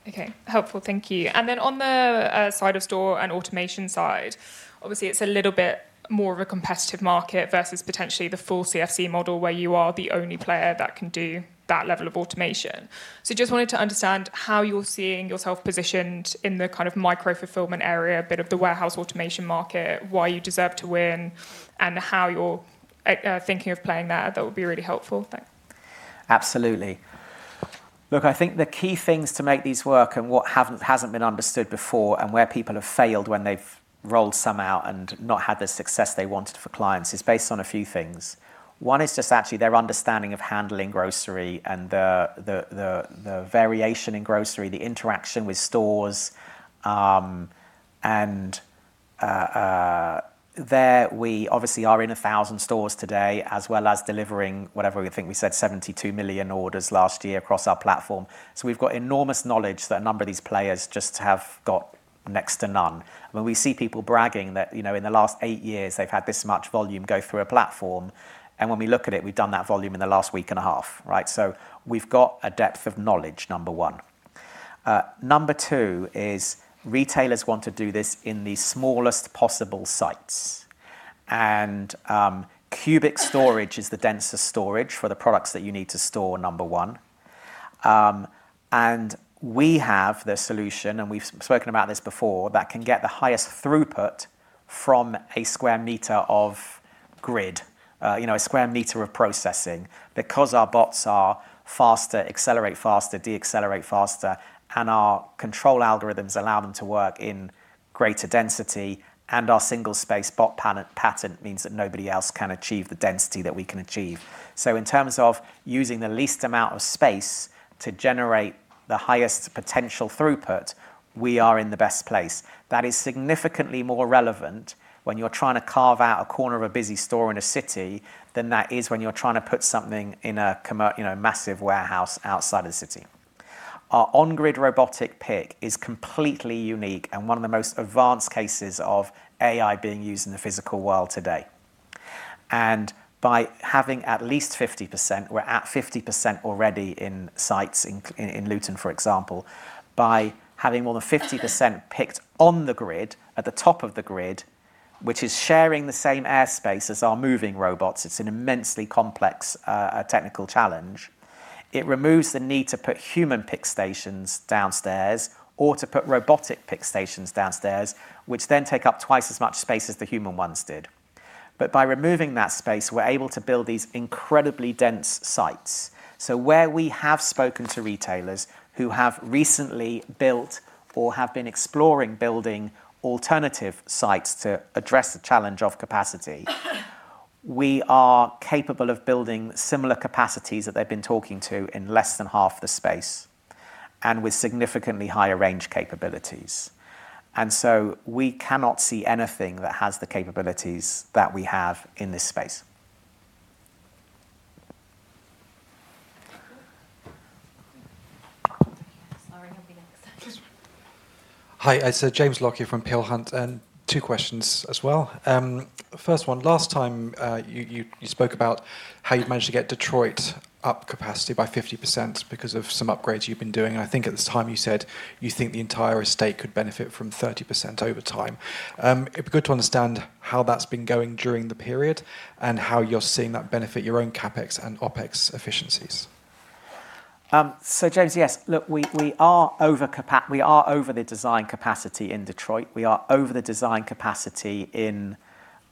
Okay. Helpful, thank you. On the side of store and automation side, obviously, it's a little bit more of a competitive market versus potentially the full CFC model, where you are the only player that can do that level of automation. Just wanted to understand how you're seeing yourself positioned in the kind of micro-fulfillment area, a bit of the warehouse automation market, why you deserve to win, and how you're thinking of playing that. That would be really helpful. Thanks. Absolutely. Look, I think the key things to make these work and what haven't, hasn't been understood before and where people have failed when they've rolled some out and not had the success they wanted for clients, is based on a few things. One is just actually their understanding of handling grocery and the, the variation in grocery, the interaction with stores. There we obviously are in 1,000 stores today, as well as delivering whatever we think we said, 72 million orders last year across our platform. We've got enormous knowledge that a number of these players just have got next to none. When we see people bragging that, you know, in the last eight years, they've had this much volume go through a platform, and when we look at it, we've done that volume in the last week and a half, right? We've got a depth of knowledge, number one. Number two is retailers want to do this in the smallest possible sites. Cubic storage is the densest storage for the products that you need to store, number one. We have the solution, we've spoken about this before, that can get the highest throughput from a square meter of grid, you know, a square meter of processing, because our bots are faster, accelerate faster, decelerate faster, our single-space bot pattern means that nobody else can achieve the density that we can achieve. In terms of using the least amount of space to generate the highest potential throughput, we are in the best place. That is significantly more relevant when you're trying to carve out a corner of a busy store in a city than that is when you're trying to put something in a You know, a massive warehouse outside of the city. Our On-Grid Robotic Pick is completely unique and one of the most advanced cases of AI being used in the physical world today. By having at least 50%, we're at 50% already in sites, in Luton, for example, by having more than 50% picked on the grid, at the top of the grid, which is sharing the same airspace as our moving robots, it's an immensely complex technical challenge. It removes the need to put human pick stations downstairs or to put robotic pick stations downstairs, which then take up twice as much space as the human ones did. By removing that space, we're able to build these incredibly dense sites. Where we have spoken to retailers who have recently built or have been exploring building alternative sites to address the challenge of capacity, we are capable of building similar capacities that they've been talking to in less than half the space and with significantly higher range capabilities. We cannot see anything that has the capabilities that we have in this space. Sorry, I'll be next. Sure. Hi, it's James Lockyer from Peel Hunt, and two questions as well. First one, last time, you spoke about how you've managed to get Detroit up capacity by 50% because of some upgrades you've been doing, and I think at the time you said you think the entire estate could benefit from 30% over time. It'd be good to understand how that's been going during the period and how you're seeing that benefit your own CapEx and OpEx efficiencies? James, yes. Look, we are over the design capacity in Detroit. We are over the design capacity in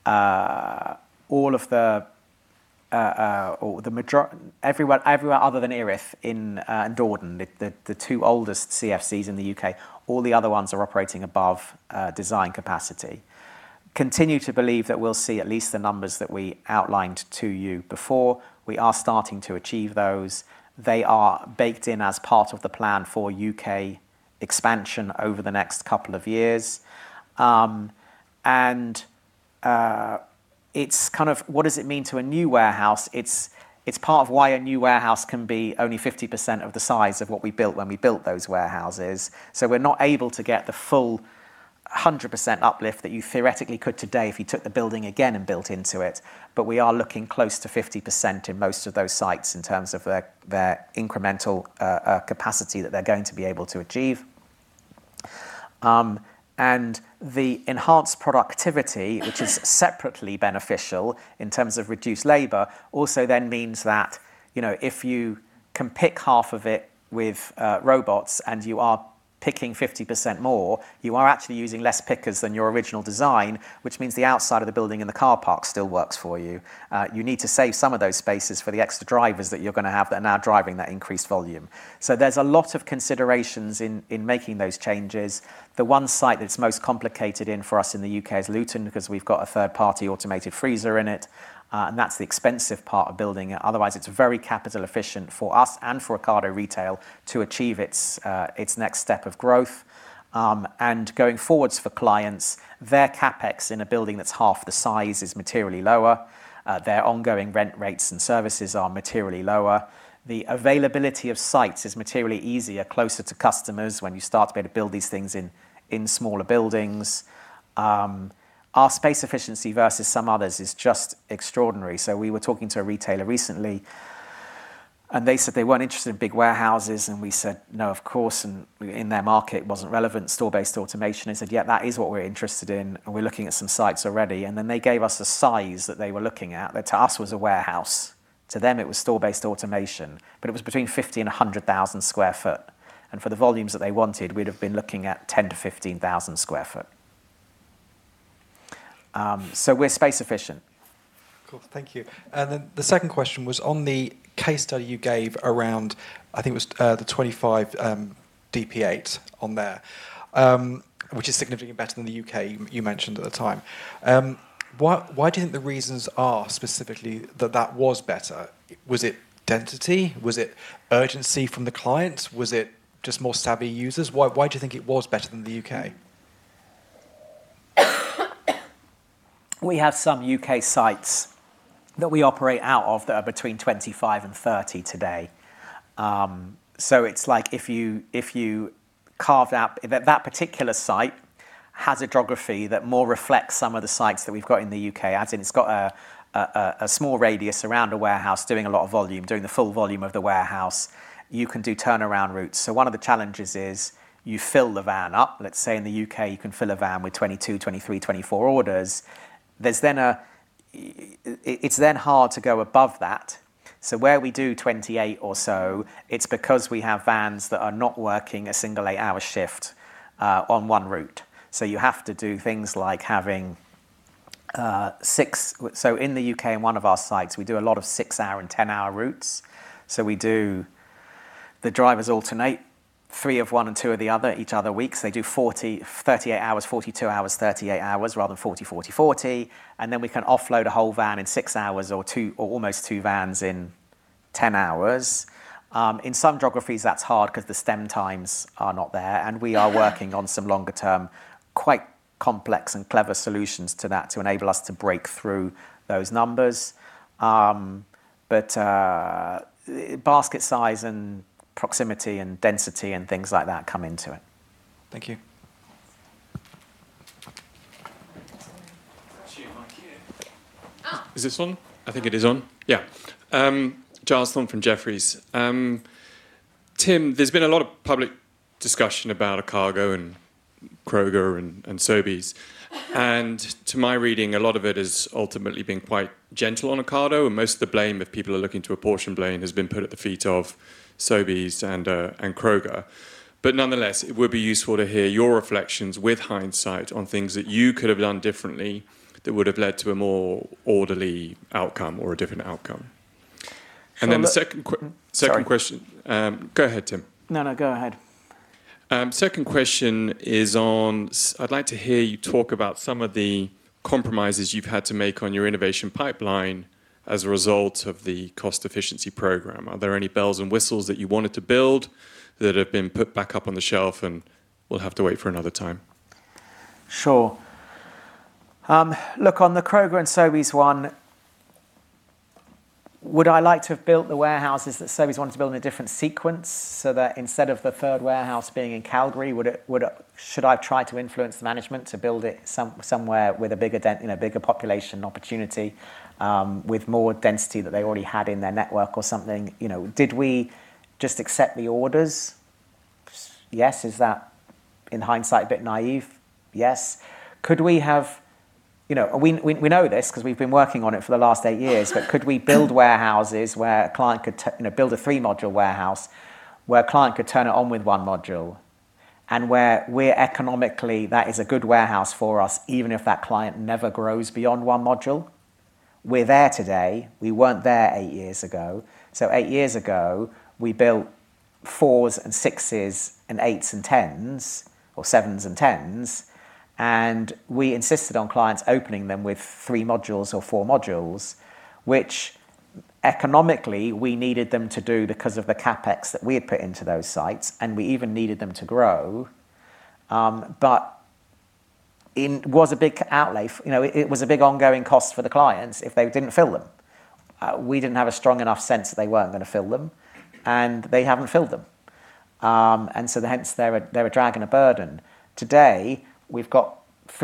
all of the everywhere other than Erith and Dordon, the 2 oldest CFCs in the U.K., all the other ones are operating above design capacity. Continue to believe that we'll see at least the numbers that we outlined to you before. We are starting to achieve those. They are baked in as part of the plan for U.K. expansion over the next couple of years. It's kind of what does it mean to a new warehouse? It's part of why a new warehouse can be only 50% of the size of what we built when we built those warehouses. We're not able to get the full 100% uplift that you theoretically could today if you took the building again and built into it, we are looking close to 50% in most of those sites in terms of their incremental capacity that they're going to be able to achieve. The enhanced productivity, which is separately beneficial in terms of reduced labor, also then means that, you know, if you can pick half of it with robots and you are picking 50% more, you are actually using less pickers than your original design, which means the outside of the building and the car park still works for you. You need to save some of those spaces for the extra drivers that you're going to have that are now driving that increased volume. There's a lot of considerations in making those changes. The one site that's most complicated in for us in the U.K. is Luton, because we've got a third party automated freezer in it, and that's the expensive part of building it. Otherwise, it's very capital efficient for us and for Ocado Retail to achieve its next step of growth. Going forwards for clients, their CapEx in a building that's half the size is materially lower. Their ongoing rent rates and services are materially lower. The availability of sites is materially easier, closer to customers when you start to be able to build these things in smaller buildings. Our space efficiency versus some others is just extraordinary. We were talking to a retailer recently, and they said they weren't interested in big warehouses, and we said, "No, of course," and in their market, it wasn't relevant, store-based automation. They said, "Yeah, that is what we're interested in, and we're looking at some sites already." Then they gave us a size that they were looking at, that to us was a warehouse. To them, it was store-based automation, but it was between 50 and 100,000 sq ft. For the volumes that they wanted, we'd have been looking at 10-15,000 sq ft. We're space efficient. Cool. Thank you. The second question was on the case study you gave around, I think it was the 25 DP8 on there, which is significantly better than the UK, you mentioned at the time. Why do you think the reasons are specifically that that was better? Was it density? Was it urgency from the clients? Was it just more savvy users? Why do you think it was better than the UK? We have some UK sites that we operate out of that are between 25 and 30 today. It's like if you carve out. That particular site has a geography that more reflects some of the sites that we've got in the UK. As in, it's got a small radius around a warehouse doing a lot of volume, doing the full volume of the warehouse. You can do turnaround routes. One of the challenges is you fill the van up. Let's say in the UK, you can fill a van with 22, 23, 24 orders. There's then it's then hard to go above that. Where we do 28 or so, it's because we have vans that are not working a single 8-hour shift on one route. You have to do things like having. In the U.K., in one of our sites, we do a lot of 6-hour and 10-hour routes. The drivers alternate 3 of 1 and 2 of the other each other weeks. They do 40, 38 hours, 42 hours, 38 hours rather than 40, 40, and then we can offload a whole van in 6 hours or 2, or almost 2 vans in 10 hours. In some geographies, that's hard because the stem times are not there, and we are working on some longer term, quite complex and clever solutions to that to enable us to break through those numbers. Basket size and proximity and density and things like that come into it. Thank you. Actually, Mike here. Oh. Is this on? I think it is on. Yeah. Giles Thorne from Jefferies. Tim, there's been a lot of public discussion about Ocado and Kroger and Sobeys. To my reading, a lot of it is ultimately being quite gentle on Ocado, and most of the blame, if people are looking to apportion blame, has been put at the feet of Sobeys and Kroger. Nonetheless, it would be useful to hear your reflections with hindsight on things that you could have done differently that would have led to a more orderly outcome or a different outcome. Then the second. Sorry. Second question. Go ahead, Tim. No, no, go ahead. Second question is on, I'd like to hear you talk about some of the compromises you've had to make on your innovation pipeline as a result of the cost efficiency program. Are there any bells and whistles that you wanted to build that have been put back up on the shelf and will have to wait for another time? Sure. Look, on the Kroger and Sobeys one, would I like to have built the warehouses that Sobeys wanted to build in a different sequence so that instead of the third warehouse being in Calgary, would it, should I have tried to influence the management to build it somewhere with a bigger dent, you know, a bigger population opportunity, with more density that they already had in their network or something? You know, did we just accept the orders? Yes. Is that, in hindsight, a bit naive? Yes. Could we have... You know, we know this because we've been working on it for the last 8 years, but could we build warehouses where a client could you know, build a 3-module warehouse, where a client could turn it on with 1 module, and where we're economically, that is a good warehouse for us, even if that client never grows beyond 1 module? We're there today. We weren't there 8 years ago. Eight years ago, we built 4s and 6s and 8s and 10s, or 7s and 10s, and we insisted on clients opening them with 3 modules or 4 modules, which economically, we needed them to do because of the CapEx that we had put into those sites, and we even needed them to grow. It was a big outlay. You know, it was a big ongoing cost for the clients if they didn't fill them. We didn't have a strong enough sense that they weren't going to fill them, and they haven't filled them. Hence, they're a, they're a drag and a burden. Today, 3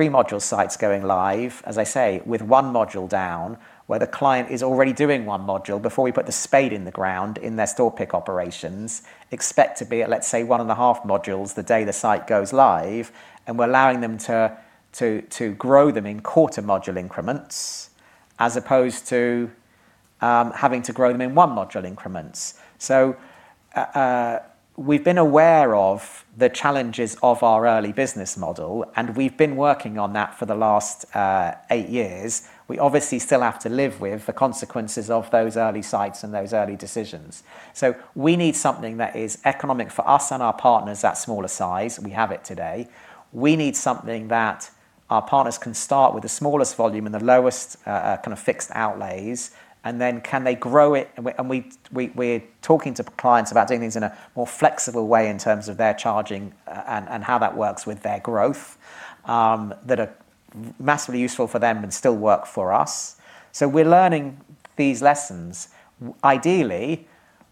module sites going live, as I say, with 1 module down, where the client is already doing 1 module before we put the spade in the ground in their store pick operations, expect to be at, let's say, 1 and a half modules the day the site goes live. We're allowing them to grow them in quarter module increments, as opposed to having to grow them in 1 module increments. We've been aware of the challenges of our early business model, and we've been working on that for the last 8 years. We obviously still have to live with the consequences of those early sites and those early decisions. We need something that is economic for us and our partners, that smaller size, we have it today. We need something that our partners can start with the smallest volume and the lowest kind of fixed outlays, and then can they grow it? We're talking to clients about doing things in a more flexible way in terms of their charging, and how that works with their growth, that are massively useful for them and still work for us. We're learning these lessons. Ideally,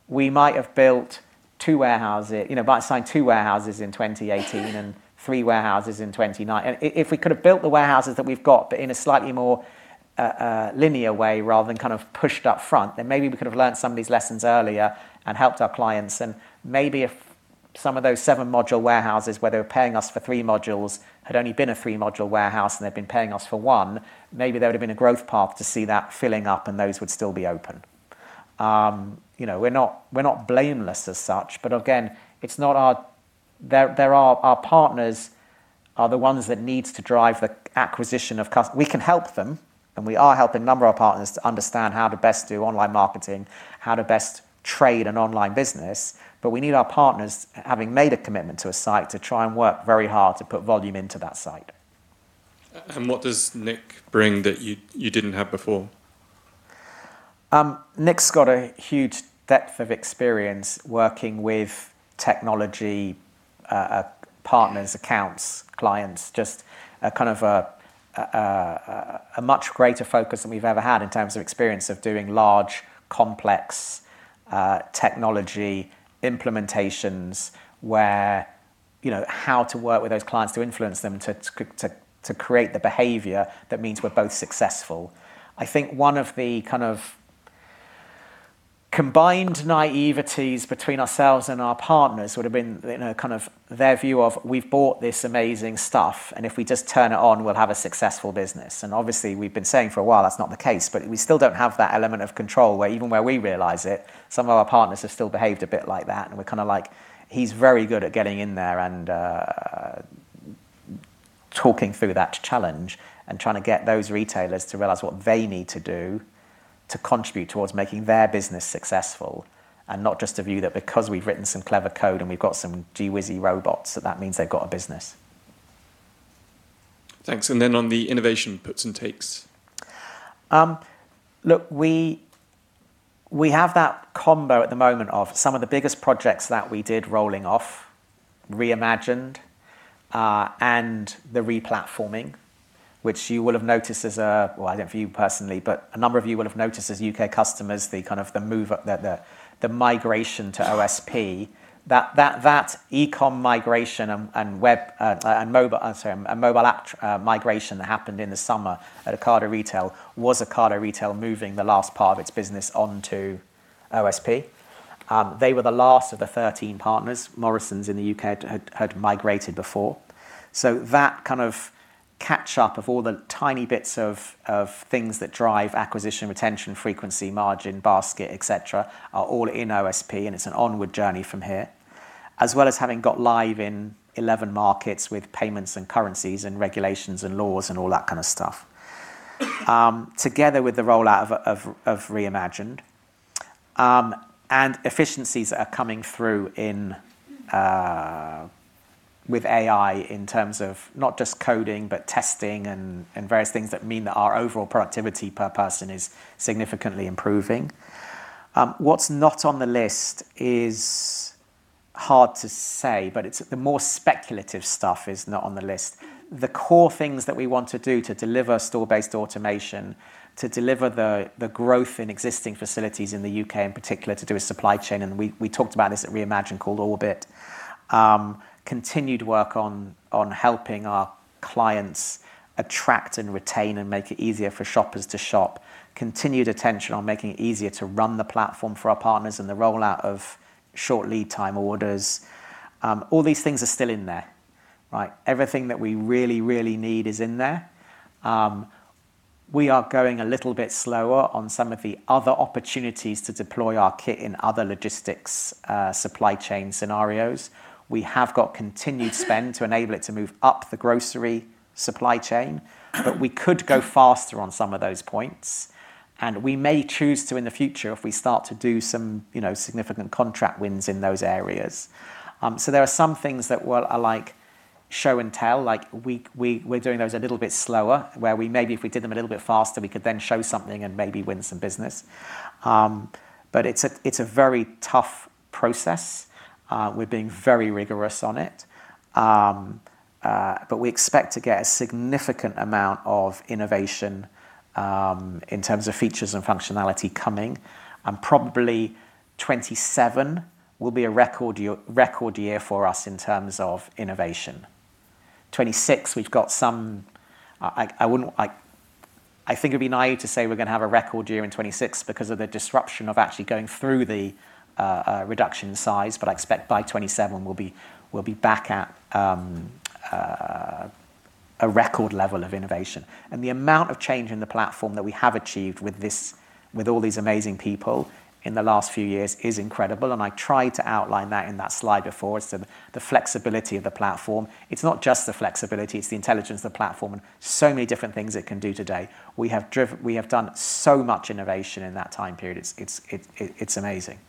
we might have built 2 warehouses, you know, might sign 2 warehouses in 2018 and 3 warehouses in 2019. If we could have built the warehouses that we've got, but in a slightly more linear way rather than kind of pushed up front, then maybe we could have learned some of these lessons earlier and helped our clients. Maybe if some of those 7 module warehouses, where they were paying us for 3 modules, had only been a 3 module warehouse, and they've been paying us for 1, maybe there would have been a growth path to see that filling up and those would still be open. You know, we're not, we're not blameless as such. Again, it's not our. Our partners are the ones that needs to drive the acquisition of customers. We can help them, and we are helping a number of our partners to understand how to best do online marketing, how to best trade an online business. We need our partners, having made a commitment to a site, to try and work very hard to put volume into that site. What does Nick bring that you didn't have before? corrected transcript of the audio segment: Nick's got a huge depth of experience working with technology partners, accounts, clients, just a much greater focus than we've ever had in terms of experience of doing large, complex technology implementations, where, you know, how to work with those clients to influence them, to create the behavior that means we're both successful. I think one of the kind of combined naiveties between ourselves and our partners would have been, you know, kind of their view of, "We've bought this amazing stuff, and if we just turn it on, we'll have a successful business." Obviously, we've been saying for a while that's not the case. We still don't have that element of control, where even where we realize it, some of our partners have still behaved a bit like that, and we're kinda like, he's very good at getting in there and talking through that challenge and trying to get those retailers to realize what they need to do to contribute towards making their business successful. Not just a view that because we've written some clever code and we've got some gee-whizzy robots, so that means they've got a business. Thanks. On the innovation puts and takes. Look, we have that combo at the moment of some of the biggest projects that we did rolling off, Re:Imagined and the replatforming, which you will have noticed as well, I don't know for you personally, but a number of you will have noticed as U.K. customers, the kind of the move up, the migration to OSP, that e-com migration and web and mobile, sorry, and mobile app migration that happened in the summer at Ocado Retail, was Ocado Retail moving the last part of its business onto OSP. They were the last of the 13 partners. Morrisons in the U.K. had migrated before. That kind of catch up of all the tiny bits of things that drive acquisition, retention, frequency, margin, basket, et cetera, are all in OSP, and it's an onward journey from here. As well as having got live in 11 markets with payments and currencies and regulations and laws, and all that kind of stuff. Together with the rollout of Re:Imagined, and efficiencies are coming through with AI in terms of not just coding, but testing and various things that mean that our overall productivity per person is significantly improving. What's not on the list is hard to say, but the more speculative stuff is not on the list. The core things that we want to do to deliver store-based automation, to deliver the growth in existing facilities in the UK, in particular, to do with supply chain, and we talked about this at Re:Imagined, called Ocado Orbit. Continued work on helping our clients attract and retain and make it easier for shoppers to shop. Continued attention on making it easier to run the platform for our partners and the rollout of short lead time orders. All these things are still in there, right? Everything that we really need is in there. We are going a little bit slower on some of the other opportunities to deploy our kit in other logistics, supply chain scenarios. We have got continued spend to enable it to move up the grocery supply chain, we could go faster on some of those points, and we may choose to in the future if we start to do some, you know, significant contract wins in those areas. There are some things that, well, are like show and tell, like, we're doing those a little bit slower, where we maybe if we did them a little bit faster, we could then show something and maybe win some business. It's a, it's a very tough process. We're being very rigorous on it. We expect to get a significant amount of innovation, in terms of features and functionality coming, and 2027 will be a record year for us in terms of innovation. 2026, we've got some, I think it'd be naive to say we're gonna have a record year in 2026 because of the disruption of actually going through the reduction in size, but I expect by 2027 we'll be, we'll be back at a record level of innovation. The amount of change in the platform that we have achieved with all these amazing people in the last few years is incredible, and I tried to outline that in that slide before. It's the flexibility of the platform. It's not just the flexibility, it's the intelligence of the platform and so many different things it can do today. We have done so much innovation in that time period. It's amazing.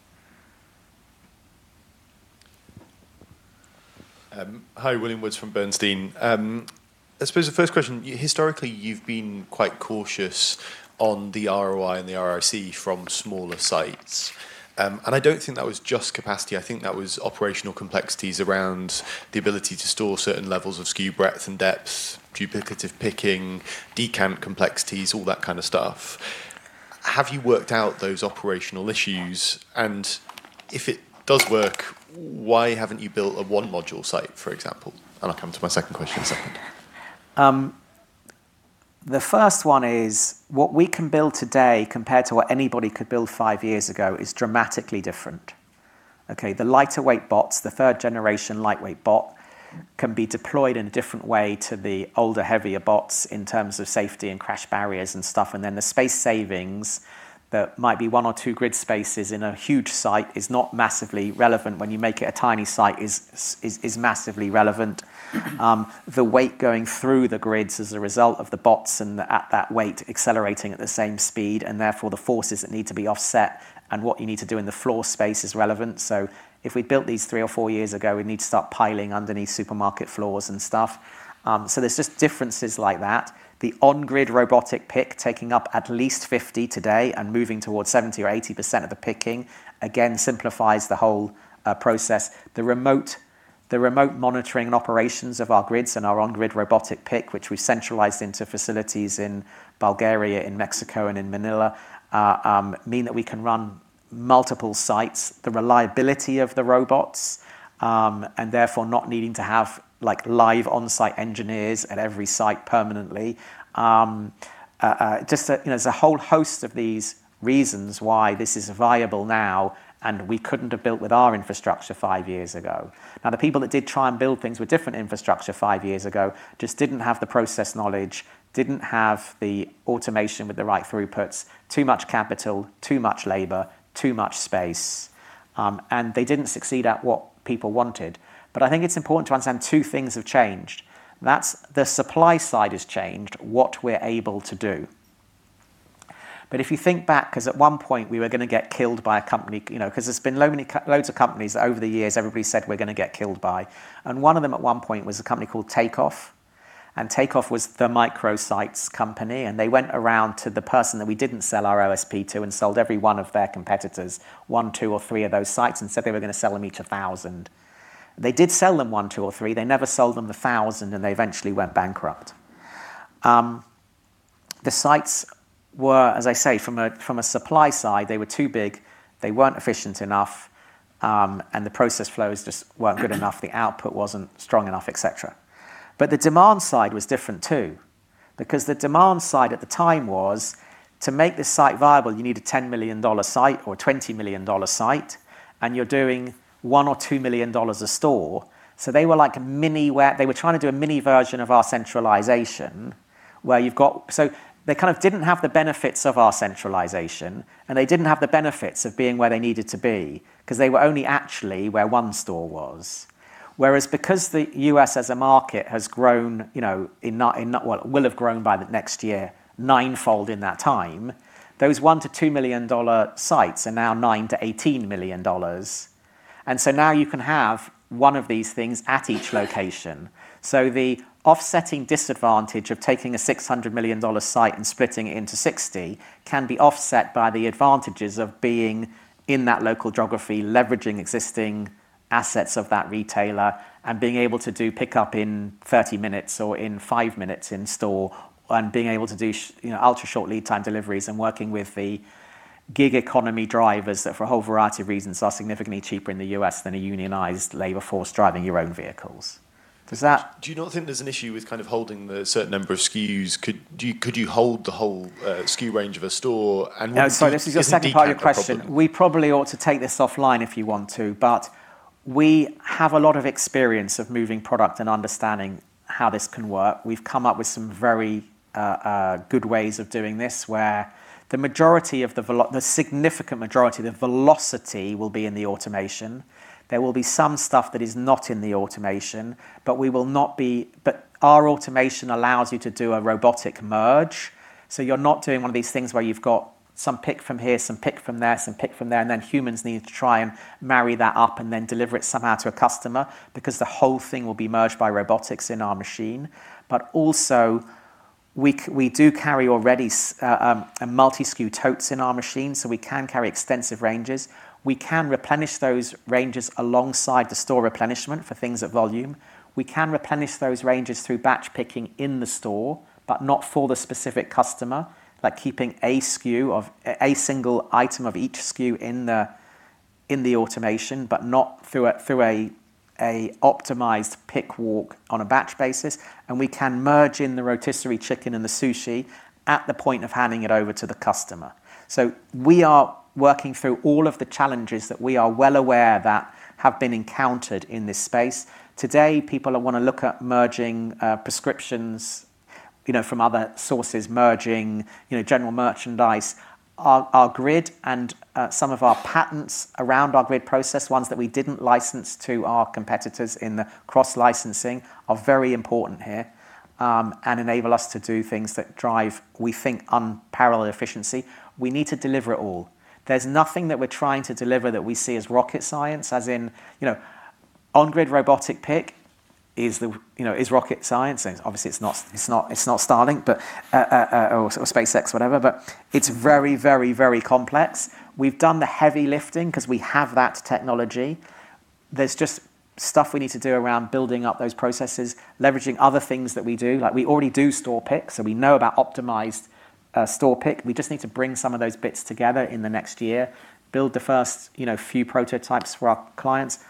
Hi, William Woods from Bernstein. I suppose the first question, historically, you've been quite cautious on the ROI and the RRC from smaller sites. I don't think that was just capacity, I think that was operational complexities around the ability to store certain levels of SKU breadth and depth, duplicative picking, decant complexities, all that kind of stuff. Have you worked out those operational issues? If it does work, why haven't you built a 1-module site, for example? I'll come to my second question in a second. The first one is, what we can build today compared to what anybody could build 5 years ago is dramatically different, okay? The lighter weight bots, the third generation lightweight bot, can be deployed in a different way to the older, heavier bots in terms of safety and crash barriers and stuff. The space savings, that might be 1 or 2 grid spaces in a huge site, is not massively relevant when you make it a tiny site, is massively relevant. The weight going through the grids as a result of the bots and at that weight accelerating at the same speed, and therefore the forces that need to be offset and what you need to do in the floor space is relevant. If we built these 3 or 4 years ago, we'd need to start piling underneath supermarket floors and stuff. There's just differences like that. The On-Grid Robotic Pick, taking up at least 50 today and moving towards 70% or 80% of the picking, again, simplifies the whole process. The remote monitoring and operations of our grids and our On-Grid Robotic Pick, which we centralized into facilities in Bulgaria, in Mexico, and in Manila, mean that we can run multiple sites, the reliability of the robots, and therefore not needing to have, like, live on-site engineers at every site permanently. Just, you know, there's a whole host of these reasons why this is viable now, and we couldn't have built with our infrastructure 5 years ago. The people that did try and build things with different infrastructure five years ago just didn't have the process knowledge, didn't have the automation with the right throughputs, too much capital, too much labor, too much space, and they didn't succeed at what people wanted. I think it's important to understand two things have changed. That's the supply side has changed what we're able to do. If you think back, 'cause at one point, we were gonna get killed by a company, you know, 'cause there's been loads of companies over the years everybody said we're gonna get killed by. One of them, at one point, was a company called Takeoff, and Takeoff was the micro-sites company, and they went around to the person that we didn't sell our OSP to and sold every 1 of their competitors 1, 2, or 3 of those sites and said they were gonna sell them each 1,000. They did sell them 1, 2, or 3. They never sold them the 1,000, and they eventually went bankrupt. The sites were, as I say, from a, from a supply side, they were too big, they weren't efficient enough, and the process flows just weren't good enough, the output wasn't strong enough, et cetera. The demand side was different, too, because the demand side at the time was, to make this site viable, you need a $10 million site or a $20 million site, and you're doing $1 million or $2 million a store. They were like a mini where they were trying to do a mini version of our centralization, where you've got... They kind of didn't have the benefits of our centralization, and they didn't have the benefits of being where they needed to be, 'cause they were only actually where one store was. Because the U.S. as a market has grown, you know, in not what, will have grown by the next year, ninefold in that time, those $1 million-$2 million sites are now $9 million-$18 million. Now you can have one of these things at each location. The offsetting disadvantage of taking a $600 million site and splitting it into 60 can be offset by the advantages of being in that local geography, leveraging existing assets of that retailer, and being able to do pickup in 30 minutes or in 5 minutes in-store, and being able to do you know, ultra-short lead time deliveries and working with the gig economy drivers that, for a whole variety of reasons, are significantly cheaper in the U.S. than a unionized labor force driving your own vehicles. Does that? Do you not think there's an issue with kind of holding the certain number of SKUs? Could you hold the whole SKU range of a store? No, this is the second part of your question. deeper question. We probably ought to take this offline if you want to, but we have a lot of experience of moving product and understanding how this can work. We've come up with some very good ways of doing this, where the majority of the significant majority, the velocity will be in the automation. There will be some stuff that is not in the automation, but our automation allows you to do a robotic merge. So you're not doing one of these things where you've got some pick from here, some pick from there, some pick from there, and then humans need to try and marry that up and then deliver it somehow to a customer, because the whole thing will be merged by robotics in our machine. We do carry already a multi-SKU totes in our machine, so we can carry extensive ranges. We can replenish those ranges alongside the store replenishment for things of volume. We can replenish those ranges through batch picking in the store, but not for the specific customer, like keeping a SKU of a single item of each SKU in the automation, but not through a optimized pick walk on a batch basis, and we can merge in the rotisserie chicken and the sushi at the point of handing it over to the customer. We are working through all of the challenges that we are well aware that have been encountered in this space. Today, people wanna look at merging prescriptions, you know, from other sources, merging, you know, general merchandise. Our grid and some of our patents around our grid process, ones that we didn't license to our competitors in the cross-licensing, are very important here, and enable us to do things that drive, we think, unparalleled efficiency. We need to deliver it all. There's nothing that we're trying to deliver that we see as rocket science, as in, you know, On-Grid Robotic Pick is, you know, is rocket science, and obviously it's not Starlink, but or SpaceX, whatever, but it's very complex. We've done the heavy lifting 'cause we have that technology. There's just stuff we need to do around building up those processes, leveraging other things that we do. Like, we already do store pick, so we know about optimized store pick. We just need to bring some of those bits together in the next year, build the first, you know, few prototypes for our clients,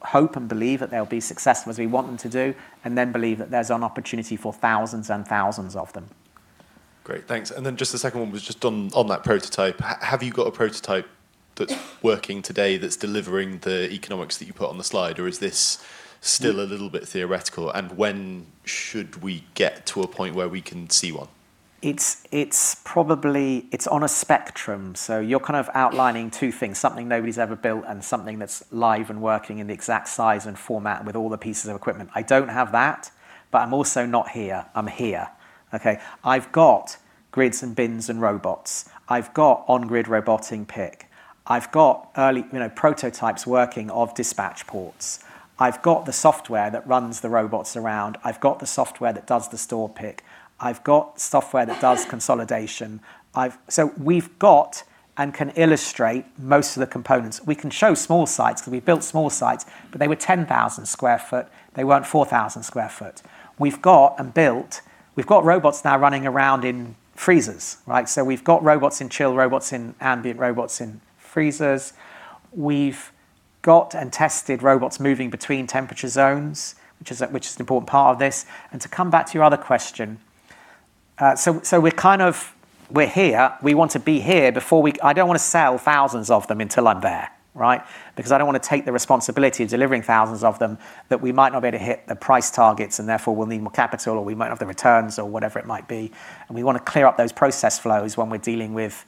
hope and believe that they'll be successful as we want them to do, and then believe that there's an opportunity for thousands and thousands of them. Great, thanks. Then just the second one was just on that prototype. Have you got a prototype that's working today, that's delivering the economics that you put on the slide, or is this still a little bit theoretical? When should we get to a point where we can see one? It's on a spectrum, you're kind of outlining two things: something nobody's ever built and something that's live and working in the exact size and format and with all the pieces of equipment. I don't have that, I'm also not here. I'm here, okay? I've got grids and bins and robots. I've got On-Grid Robotic Pick. I've got early, you know, prototypes working of dispatch ports. I've got the software that runs the robots around. I've got the software that does the store pick. I've got software that does consolidation. We've got and can illustrate most of the components. We can show small sites, 'cause we've built small sites, they were 10,000 sq ft, they weren't 4,000 sq ft. We've got robots now running around in freezers, right? We've got robots in chill, robots in ambient, robots in freezers. We've got and tested robots moving between temperature zones, which is an important part of this. To come back to your other question, we're kind of, we're here. We want to be here before I don't wanna sell thousands of them until I'm there, right? Because I don't want to take the responsibility of delivering thousands of them, that we might not be able to hit the price targets, and therefore we'll need more capital, or we might not have the returns, or whatever it might be. We want to clear up those process flows when we're dealing with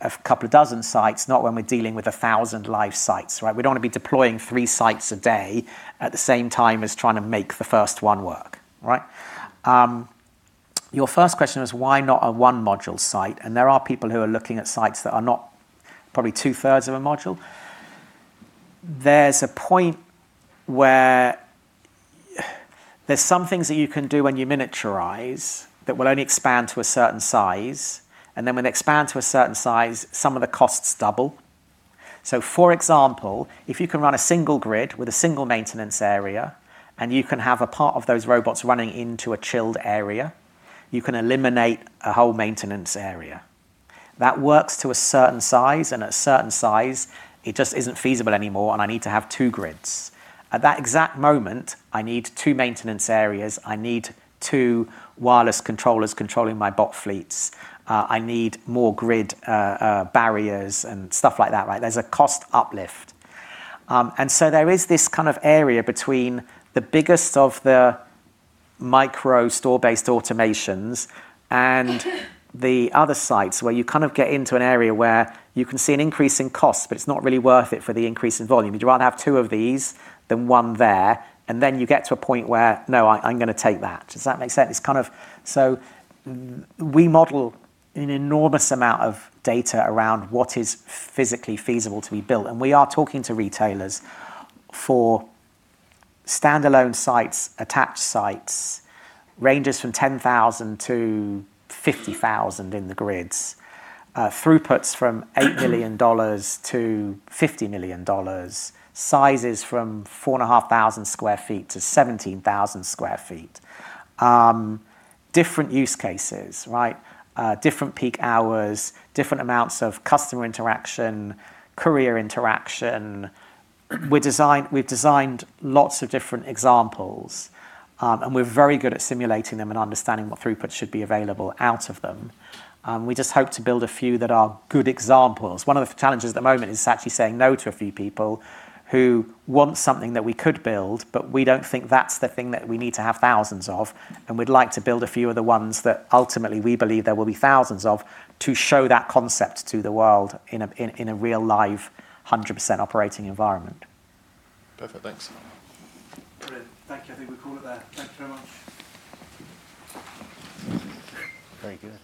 a couple of dozen sites, not when we're dealing with a thousand live sites, right? We don't want to be deploying 3 sites a day at the same time as trying to make the 1st one work, right? Your 1st question was, why not a 1-module site? There are people who are looking at sites that are not probably 2/3 of a module. There's a point where, there's some things that you can do when you miniaturize that will only expand to a certain size, and then when they expand to a certain size, some of the costs double. For example, if you can run a 1 grid with a 1 maintenance area, and you can have a part of those robots running into a chilled area, you can eliminate a whole maintenance area. That works to a certain size, and at a certain size, it just isn't feasible anymore, and I need to have 2 grids. At that exact moment, I need two maintenance areas. I need two wireless controllers controlling my bot fleets. I need more grid barriers and stuff like that, right? There's a cost uplift. There is this kind of area between the biggest of the micro store-based automations and the other sites, where you kind of get into an area where you can see an increase in cost, but it's not really worth it for the increase in volume. You'd rather have two of these than one there, and then you get to a point where, "No, I'm gonna take that." Does that make sense? It's kind of. We model an enormous amount of data around what is physically feasible to be built, and we are talking to retailers for standalone sites, attached sites, ranges from 10,000-50,000 in the grids, throughputs from $8 million-$50 million, sizes from 4,500 sq ft-17 thousand sq ft. Different use cases, right? Different peak hours, different amounts of customer interaction, courier interaction. We've designed lots of different examples, and we're very good at simulating them and understanding what throughput should be available out of them. We just hope to build a few that are good examples. One of the challenges at the moment is actually saying no to a few people who want something that we could build, but we don't think that's the thing that we need to have thousands of, and we'd like to build a few of the ones that ultimately we believe there will be thousands of, to show that concept to the world in a real, live, 100% operating environment. Perfect. Thanks. Great. Thank you. I think we'll call it there. Thank you very much. Very good.